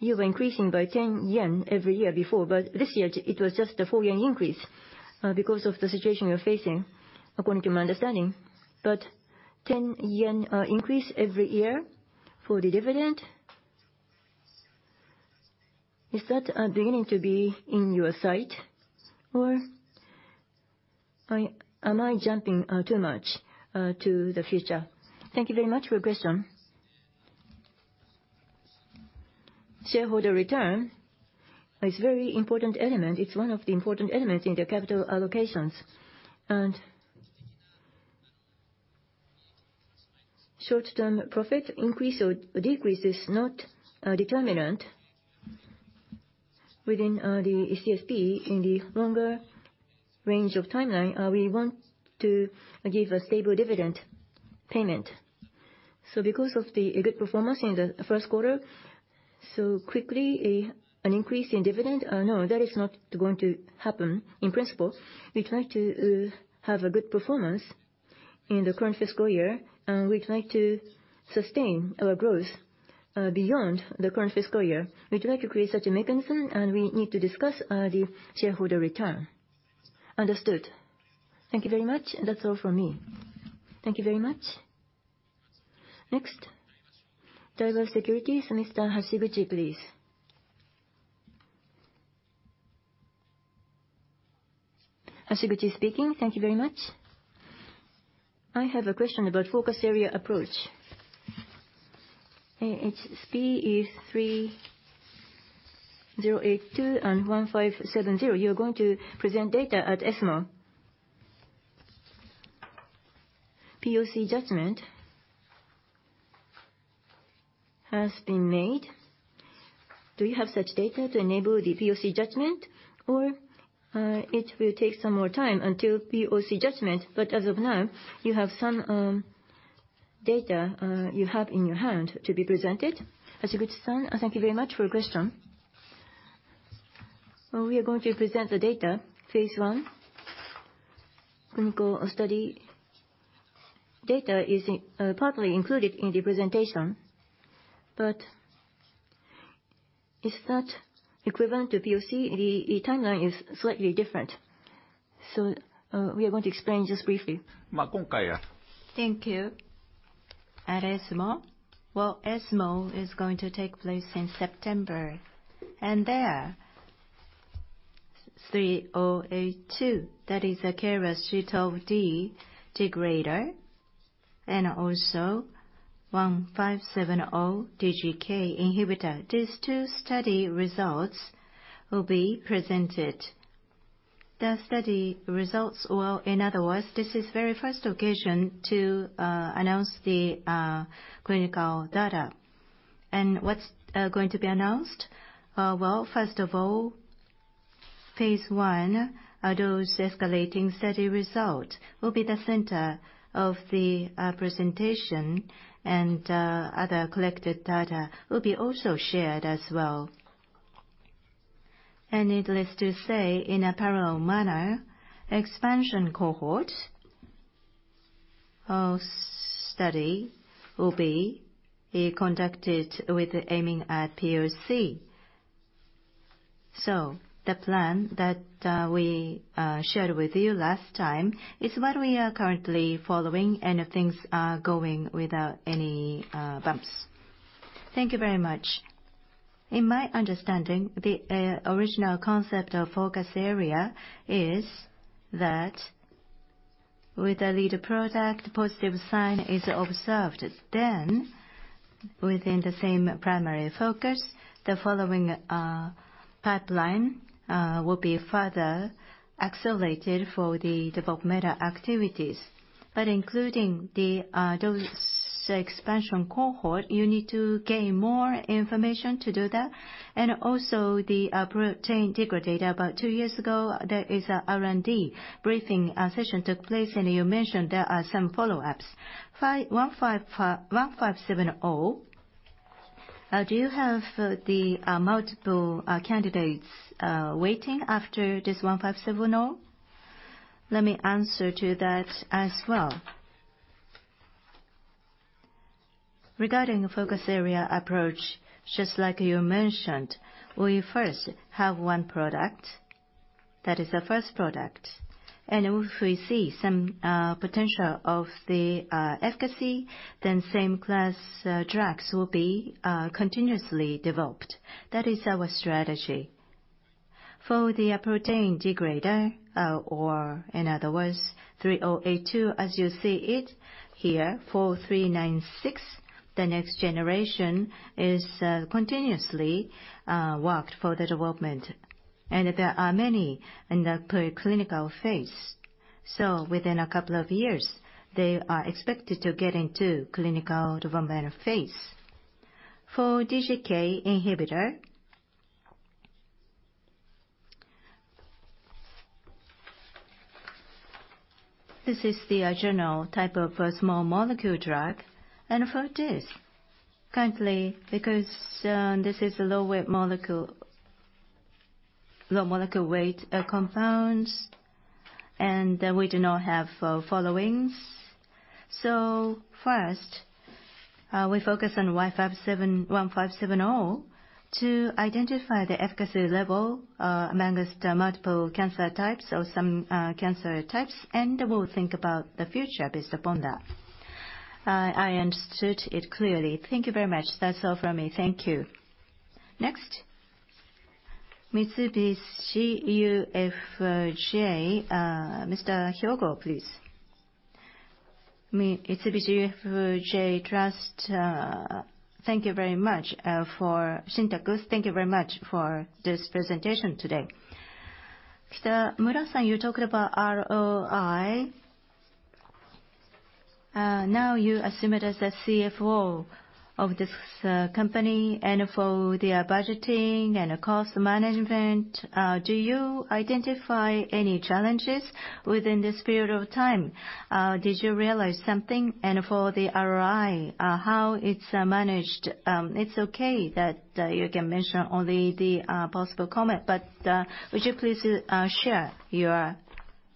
you were increasing by 10 yen every year before, but this year, it was just a 4 yen increase, because of the situation you're facing, according to my understanding. But 10 yen increase every year for the dividend, is that beginning to be in your sight? Or am I jumping too much to the future? Thank you very much for your question. Shareholder return is very important element. It's one of the important elements in the capital allocations. And short-term profit increase or decrease is not determinant within the CSP. In the longer range of timeline, we want to give a stable dividend payment. So because of the good performance in the Q1, so quickly, an increase in dividend, no, that is not going to happen. In principle, we try to have a good performance in the current fiscal year, and we'd like to sustain our growth beyond the current fiscal year. We'd like to create such a mechanism, and we need to discuss the shareholder return. Understood. Thank you very much. That's all from me. Thank you very much. Next, Daiwa Securities, Mr. Hashiguchi, please. Hashiguchi speaking. Thank you very much. I have a question about focus area approach. ASP3082 and ASP1570. You're going to present data at ESMO. POC judgment has been made. Do you have such data to enable the POC judgment, or it will take some more time until POC judgment? But as of now, you have some data you have in your hand to be presented. Hashiguchi-san, thank you very much for your question. We are going to present the data, Phase I clinical study. Data is partly included in the presentation, but is that equivalent to POC? The timeline is slightly different. So, we are going to explain just briefly. Thank you. At ESMO, well, ESMO is going to take place in September, and there-... 3082, that is a KRAS G12D degrader, and also 1570 DGK inhibitor. These two study results will be presented. The study results will, in other words, this is very first occasion to announce the clinical data. And what's going to be announced? Well, first of all, Phase I, are those escalating study result will be the center of the presentation, and other collected data will be also shared as well. And needless to say, in a parallel manner, expansion cohort of study will be conducted with aiming at POC. So the plan that we shared with you last time is what we are currently following, and things are going without any bumps. Thank you very much. In my understanding, the original concept of focus area is that with a lead product, positive sign is observed, then within the same primary focus, the following pipeline will be further accelerated for the development activities. But including those expansion cohort, you need to gain more information to do that, and also the protein degrader. About two years ago, there is a R&D briefing session took place, and you mentioned there are some follow-ups. ASP1570, do you have the multiple candidates waiting after this ASP1570? Let me answer to that as well. Regarding the focus area approach, just like you mentioned, we first have one product, that is the first product. And if we see some potential of the efficacy, then same class drugs will be continuously developed. That is our strategy. For the protein degrader, or in other words, 3082, as you see it here, 4396, the next generation is continuously worked for the development. And there are many in the preclinical phase. So within a couple of years, they are expected to get into clinical development phase. For DGK inhibitor, this is the general type of a small molecule drug. And for this, currently, because this is a low weight molecule, low molecule weight compounds, and we do not have followings. So first, we focus on 1570 to identify the efficacy level among the multiple cancer types or some cancer types, and we'll think about the future based upon that. I understood it clearly. Thank you very much. That's all from me. Thank you. Next, Mitsubishi UFJ, Mr. Hyogo, please. Me, Mitsubishi UFJ Trust, thank you very much for the opportunity. Thank you very much for this presentation today. Okamura-san, you talked about ROI. Now you assumed as a CFO of this company and for the budgeting and cost management, do you identify any challenges within this period of time? Did you realize something? For the ROI, how it's managed, it's okay that you can mention only the possible comment, but would you please share your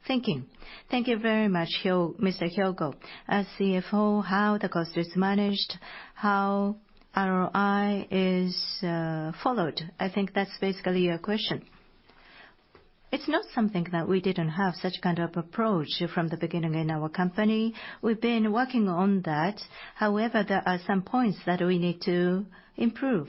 thinking? Thank you very much, Mr. Hyogo. As CFO, how the cost is managed, how ROI is followed, I think that's basically your question. It's not something that we didn't have such kind of approach from the beginning in our company. We've been working on that. However, there are some points that we need to improve.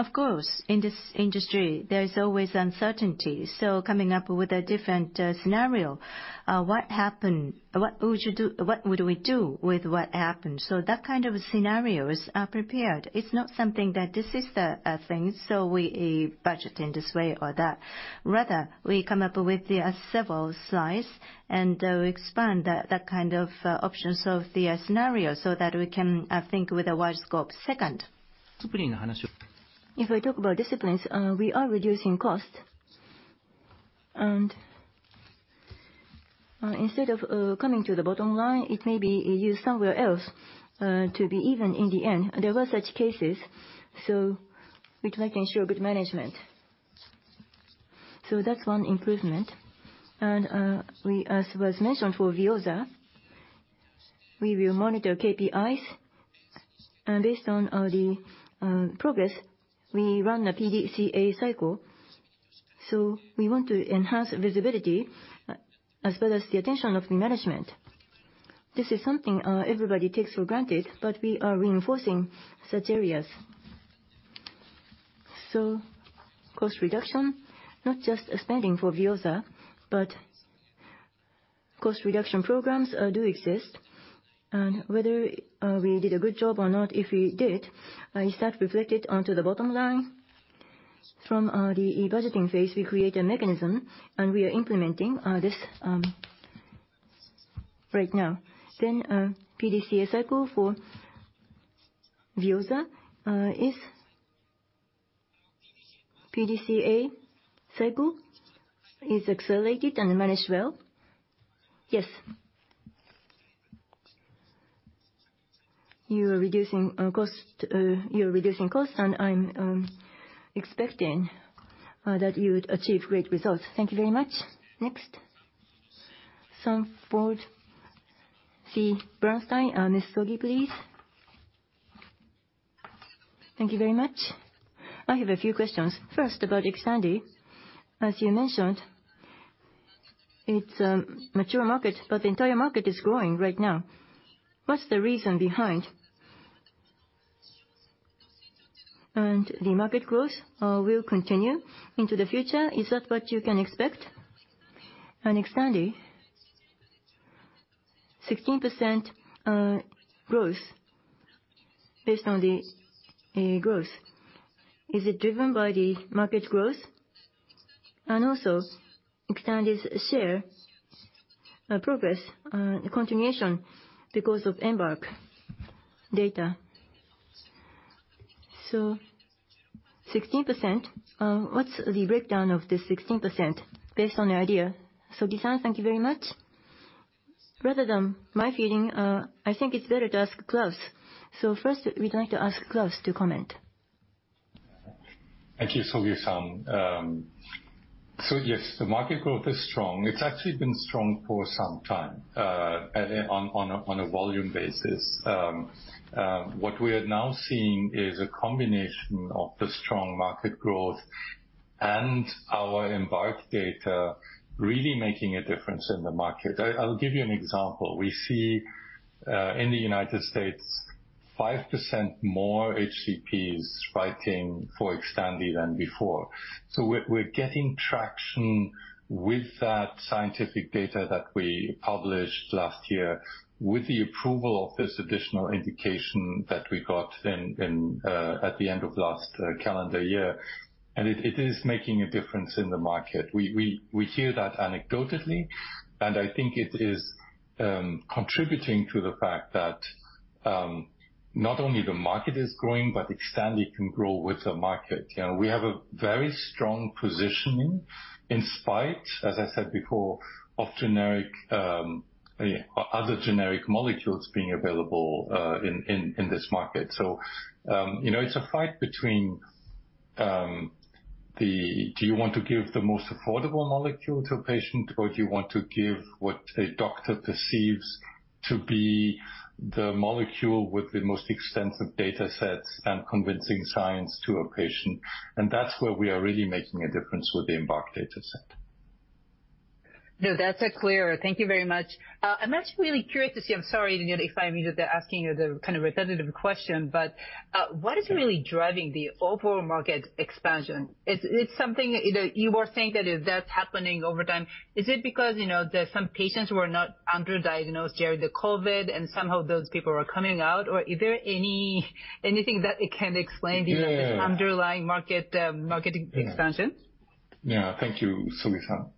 Of course, in this industry, there is always uncertainty, so coming up with a different scenario, what happened? What would you do, what would we do with what happened? So that kind of scenarios are prepared. It's not something that this is the thing, so we budget in this way or that. Rather, we come up with the several slides and expand the that kind of options of the scenario so that we can think with a wide scope. Second, if I talk about disciplines, we are reducing costs. And instead of coming to the bottom line, it may be used somewhere else to be even in the end. There were such cases, so we'd like to ensure good management. So that's one improvement. And we, as was mentioned for VEOZAH, we will monitor KPIs, and based on the progress, we run a PDCA cycle. So we want to enhance visibility as well as the attention of the management. ...This is something, everybody takes for granted, but we are reinforcing such areas. So cost reduction, not just spending for VEOZAH, but cost reduction programs, do exist. Whether we did a good job or not, if we did, is that reflected onto the bottom line? From the e-budgeting phase, we create a mechanism, and we are implementing this right now. PDCA cycle for VEOZAH is PDCA cycle is accelerated and managed well? Yes. You are reducing cost, you're reducing costs, and I'm expecting that you would achieve great results. Thank you very much. Next, Sanford C. Bernstein, Miss Sogi, please. Thank you very much. I have a few questions. First, about XTANDI. As you mentioned, it's a mature market, but the entire market is growing right now. What's the reason behind? And the market growth will continue into the future, is that what you can expect? And XTANDI, 16% growth based on the growth, is it driven by the market growth? And also, XTANDI's share progress continuation because of EMBARK data. So 16%, what's the breakdown of this 16% based on the idea? So, thank you very much. Rather than my feeling, I think it's better to ask Claus. So first, we'd like to ask Claus to comment. Thank you, Sogi-san. So yes, the market growth is strong. It's actually been strong for some time, and on a volume basis. What we are now seeing is a combination of the strong market growth and our EMBARK data really making a difference in the market. I'll give you an example. We see in the U.S., 5% more HCPs writing for XTANDI than before. So we're getting traction with that scientific data that we published last year, with the approval of this additional indication that we got in at the end of last calendar year. And it is making a difference in the market. We hear that anecdotally, and I think it is contributing to the fact that not only the market is growing, but XTANDI can grow with the market. You know, we have a very strong positioning in spite, as I said before, of generic other generic molecules being available in this market. So, you know, it's a fight between the: do you want to give the most affordable molecule to a patient, or do you want to give what a doctor perceives to be the molecule with the most extensive data sets and convincing science to a patient? And that's where we are really making a difference with the EMBARK data set. No, that's clear. Thank you very much. I'm actually really curious to see... I'm sorry if I'm asking you the kind of repetitive question, but what is really driving the overall market expansion? It's, it's something, you know, you were saying that that's happening over time. Is it because, you know, there are some patients who are not under-diagnosed during the COVID, and somehow those people are coming out? Or is there any, anything that can explain- Yeah. - the underlying market, market expansion? Yeah. Thank you, Sogi-san.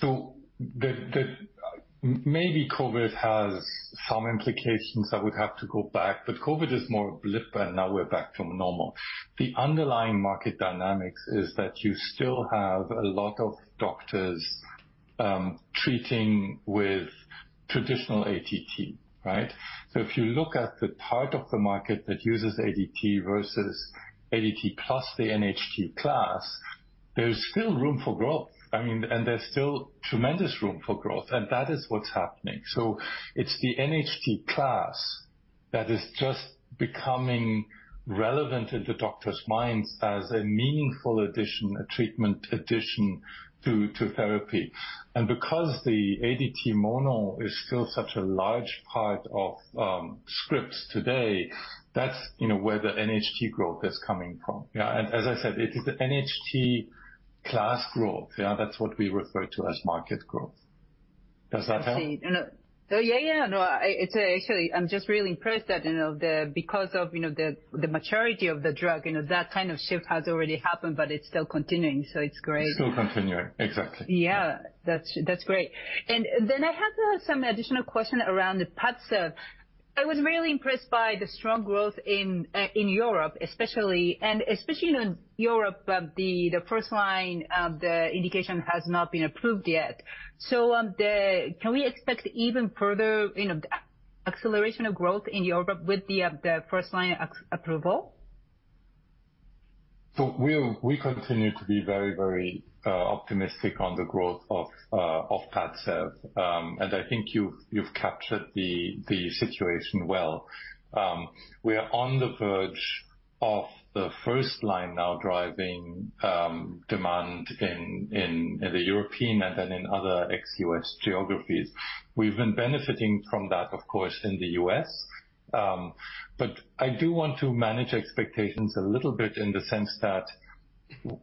So the, maybe COVID has some implications that would have to go back, but COVID is more blip, and now we're back to normal. The underlying market dynamics is that you still have a lot of doctors treating with traditional ADT, right? So if you look at the part of the market that uses ADT versus ADT plus the NHT class, there's still room for growth. I mean, and there's still tremendous room for growth, and that is what's happening. So it's the NHT class that is just becoming relevant in the doctors' minds as a meaningful addition, a treatment addition to therapy. And because the ADT mono is still such a large part of scripts today, that's, you know, where the NHT growth is coming from. Yeah, and as I said, it is the NHT class growth, yeah, that's what we refer to as market growth. Does that help? I see. So yeah, yeah, no, it's actually, I'm just really impressed that, you know, the, because of, you know, the, the maturity of the drug, you know, that kind of shift has already happened, but it's still continuing, so it's great. Still continuing. Exactly. Yeah. That's, that's great. And then I have some additional question around the PADCEV. I was really impressed by the strong growth in, in Europe, especially, and especially in Europe, the first line, the indication has not been approved yet. So, the... Can we expect even further, you know, acceleration of growth in Europe with the, the first line approval? So we'll continue to be very, very optimistic on the growth of PADCEV. And I think you've captured the situation well. We are on the verge of the first line now driving demand in Europe and then in other ex-US geographies. We've been benefiting from that, of course, in the U.S.. But I do want to manage expectations a little bit in the sense that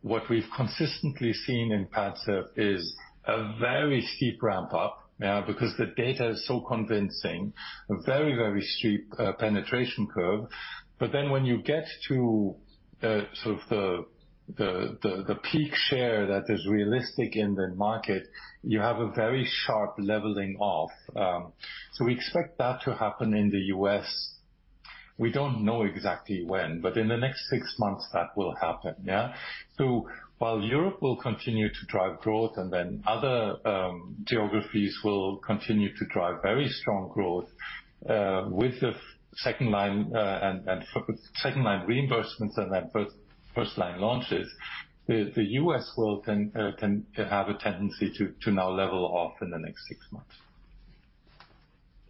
what we've consistently seen in PADCEV is a very steep ramp-up, yeah, because the data is so convincing. A very, very steep penetration curve. But then when you get to the sort of the peak share that is realistic in the market, you have a very sharp leveling off. So we expect that to happen in the U.S.. We don't know exactly when, but in the next six months, that will happen, yeah? So while Europe will continue to drive growth, and then other geographies will continue to drive very strong growth with the second line and second line reimbursements and then first line launches, the U.S. will then can have a tendency to now level off in the next six months.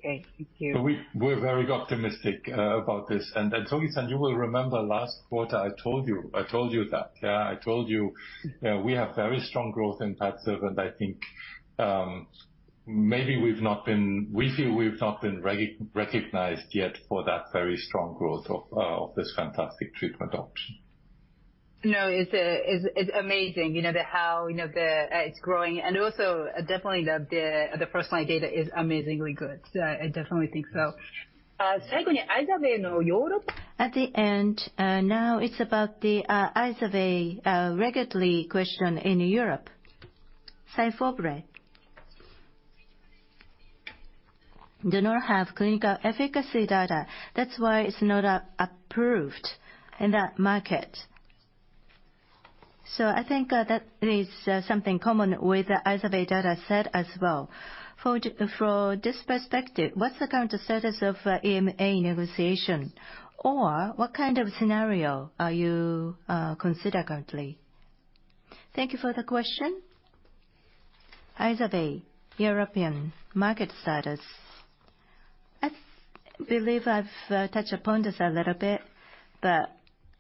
Thank you. But we, we're very optimistic about this. And Sogi-san, you will remember last quarter, I told you, I told you that, yeah? I told you, we have very strong growth in PADCEV, and I think, maybe we've not been. We feel we've not been recognized yet for that very strong growth of, of this fantastic treatment option. No, it's amazing, you know, how it's growing, and also definitely the personal data is amazingly good. So I definitely think so. At the end, now it's about the IZERVAY regulatory question in Europe. SYFOVRE does not have clinical efficacy data, that's why it's not approved in that market. So I think that is something common with the IZERVAY data set as well. For this perspective, what's the current status of EMA negotiation? Or what kind of scenario are you consider currently? Thank you for the question. IZERVAY European market status. I believe I've touched upon this a little bit, but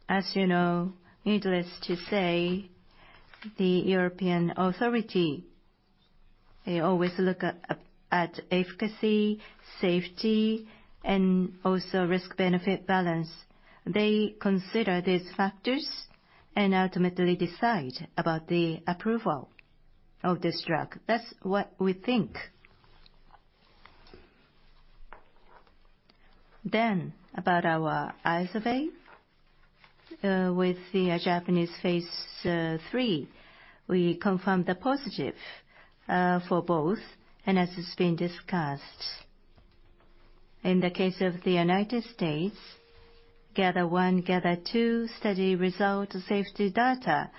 as you know, needless to say, the European authority, they always look at efficacy, safety, and also risk-benefit balance. They consider these factors and ultimately decide about the approval of this drug. That's what we think. Then, about our IZERVAY, with the Japanese Phase III, we confirmed the positive for both and as it's been discussed. In the case of the U.S., GATHER1, GATHER2 study result safety data,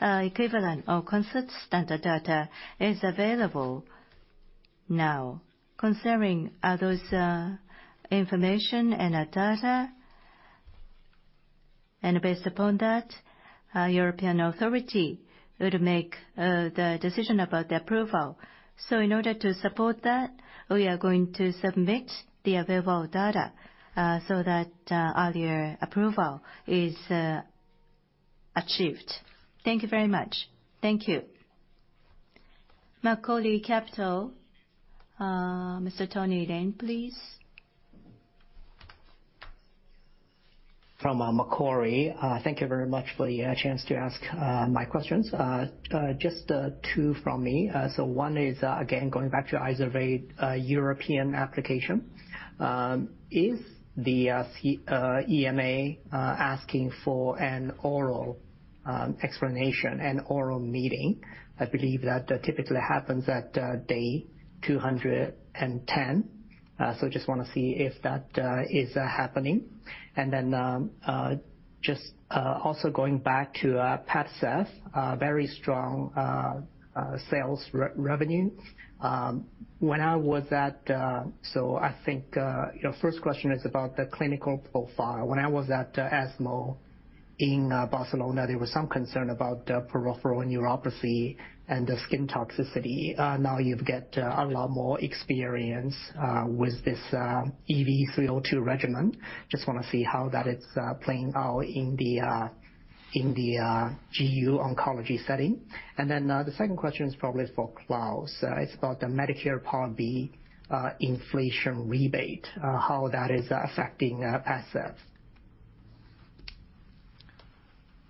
equivalent or consistent data is available now. Concerning all those information and data, and based upon that, European authority would make the decision about the approval. So in order to support that, we are going to submit the available data, so that earlier approval is achieved. Thank you very much. Thank you. Macquarie Capital, Mr. Tony Ren, please. From Macquarie. Thank you very much for the chance to ask my questions. Just two from me. So one is, again, going back to IZERVAY, European application. Is the EMA asking for an oral explanation and oral meeting? I believe that typically happens at day 210. So just wanna see if that is happening. And then, just also going back to PADCEV, very strong sales revenue. When I was at... So I think your first question is about the clinical profile. When I was at ESMO in Barcelona, there was some concern about peripheral neuropathy and the skin toxicity. Now you've got a lot more experience with this EV-302 regimen. Just wanna see how that is playing out in the GU oncology setting. And then, the second question is probably for Claus. It's about the Medicare Part B inflation rebate, how that is affecting assets?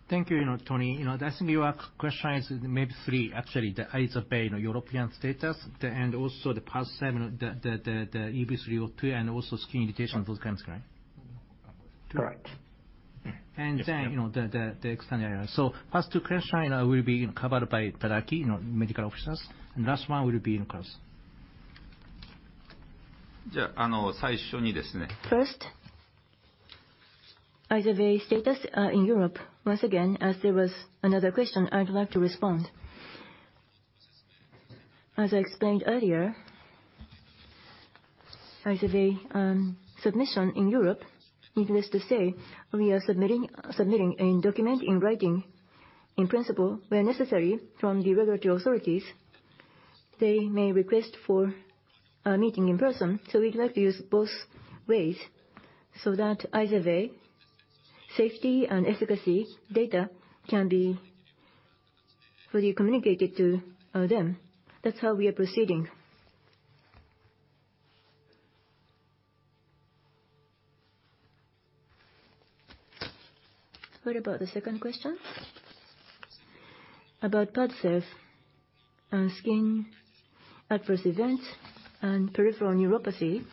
Thank you, you know, Tony. You know, I think your question is maybe three, actually. The IZERVAY, you know, European status, and also the PADCEV, the EV-302 and also skin irritation, those kinds, right? Correct. And then, you know, the extended. So first two question will be covered by Tadaaki, you know, medical officers, and last one will be by Claus. Yeah, First, IZERVAY status in Europe. Once again, as there was another question, I'd like to respond. As I explained earlier, IZERVAY submission in Europe, needless to say, we are submitting, submitting a document in writing, in principle, where necessary from the regulatory authorities.... they may request for a meeting in person. So we'd like to use both ways, so that either way, safety and efficacy data can be fully communicated to them. That's how we are proceeding. What about the second question? About PADCEV, skin adverse event and peripheral neuropathy,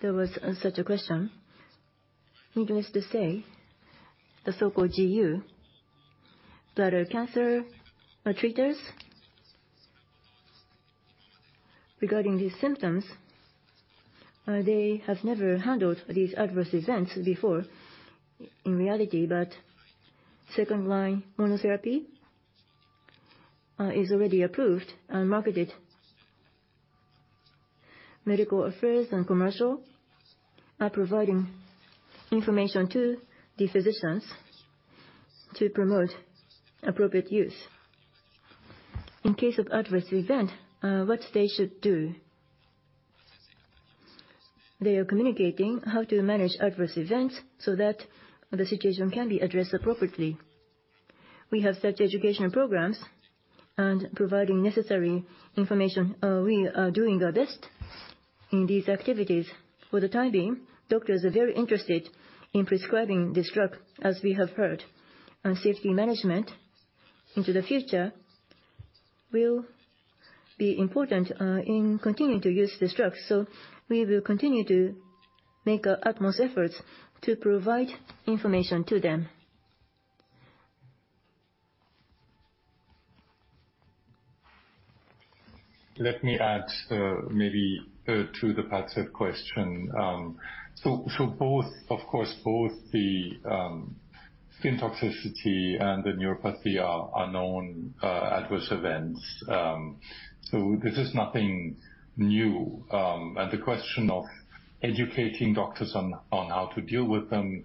there was such a question. Needless to say, the so-called GU, bladder cancer treaters, regarding these symptoms, they have never handled these adverse events before in reality, but second-line monotherapy is already approved and marketed. Medical affairs and commercial are providing information to the physicians to promote appropriate use. In case of adverse event, what they should do? They are communicating how to manage adverse events so that the situation can be addressed appropriately. We have such educational programs and providing necessary information. We are doing our best in these activities. For the time being, doctors are very interested in prescribing this drug, as we have heard, and safety management into the future will be important, in continuing to use this drug. So we will continue to make our utmost efforts to provide information to them. Let me add, maybe, to the PADCEV question. So both, of course, both the skin toxicity and the neuropathy are known adverse events. So this is nothing new. And the question of educating doctors on how to deal with them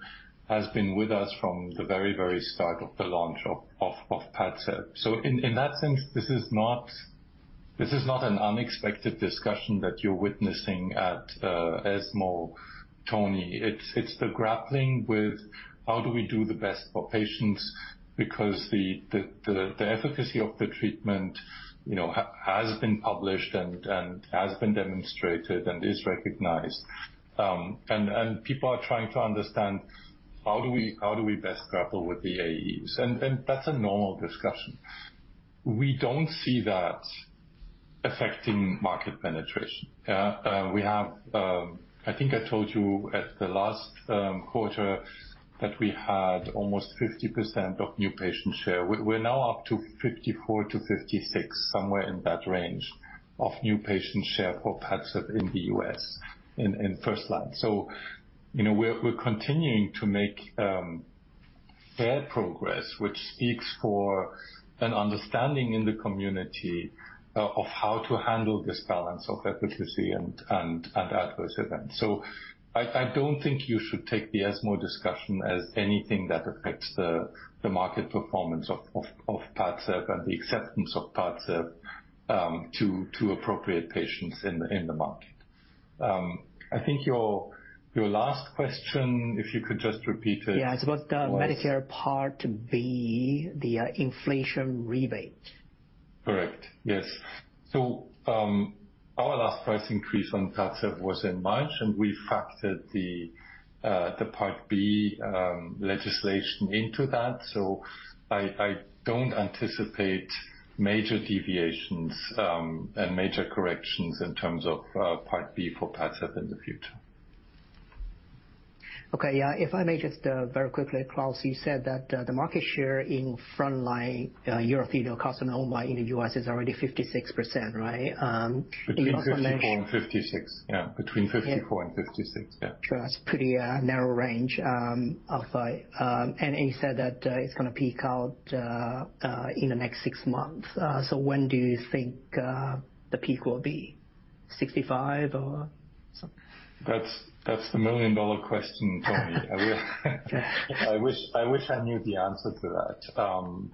has been with us from the very, very start of the launch of PADCEV. So in that sense, this is not an unexpected discussion that you're witnessing at ESMO, Tony. It's the grappling with how do we do the best for patients? Because the efficacy of the treatment, you know, has been published and has been demonstrated and is recognized. And people are trying to understand how do we best grapple with the AEs? And that's a normal discussion. We don't see that affecting market penetration. We have, I think I told you at the last quarter that we had almost 50% of new patient share. We're now up to 54-56, somewhere in that range, of new patient share for PADCEV in the U.S. in first line. So, you know, we're continuing to make fair progress, which speaks for an understanding in the community of how to handle this balance of efficacy and adverse events. So I don't think you should take the ESMO discussion as anything that affects the market performance of PADCEV and the acceptance of PADCEV to appropriate patients in the market. I think your last question, if you could just repeat it was- Yeah, it's about the Medicare Part B, the inflation rebate. Correct. Yes. So, our last price increase on PADCEV was in March, and we factored the Part B legislation into that. So I don't anticipate major deviations and major corrections in terms of Part B for PADCEV in the future. Okay. Yeah, if I may just, very quickly, Claus, you said that, the market share in frontline, urothelial carcinoma in the U.S. is already 56%, right? You also mentioned- Between 54 and 56. Yeah. Between 54 and 56. Yeah. Sure. That's pretty narrow range, upside. And you said that it's gonna peak out in the next six months. So when do you think the peak will be, 65 or something? That's the million-dollar question, Tony. I wish I knew the answer to that.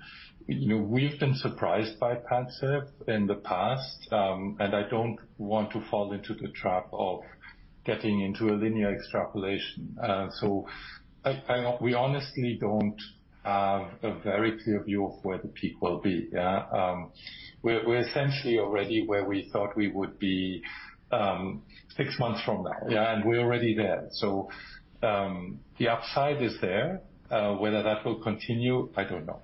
You know, we've been surprised by PADCEV in the past, and I don't want to fall into the trap of getting into a linear extrapolation. So we honestly don't have a very clear view of where the peak will be. Yeah. We're essentially already where we thought we would be six months from now. Yeah, and we're already there. So the upside is there. Whether that will continue, I don't know.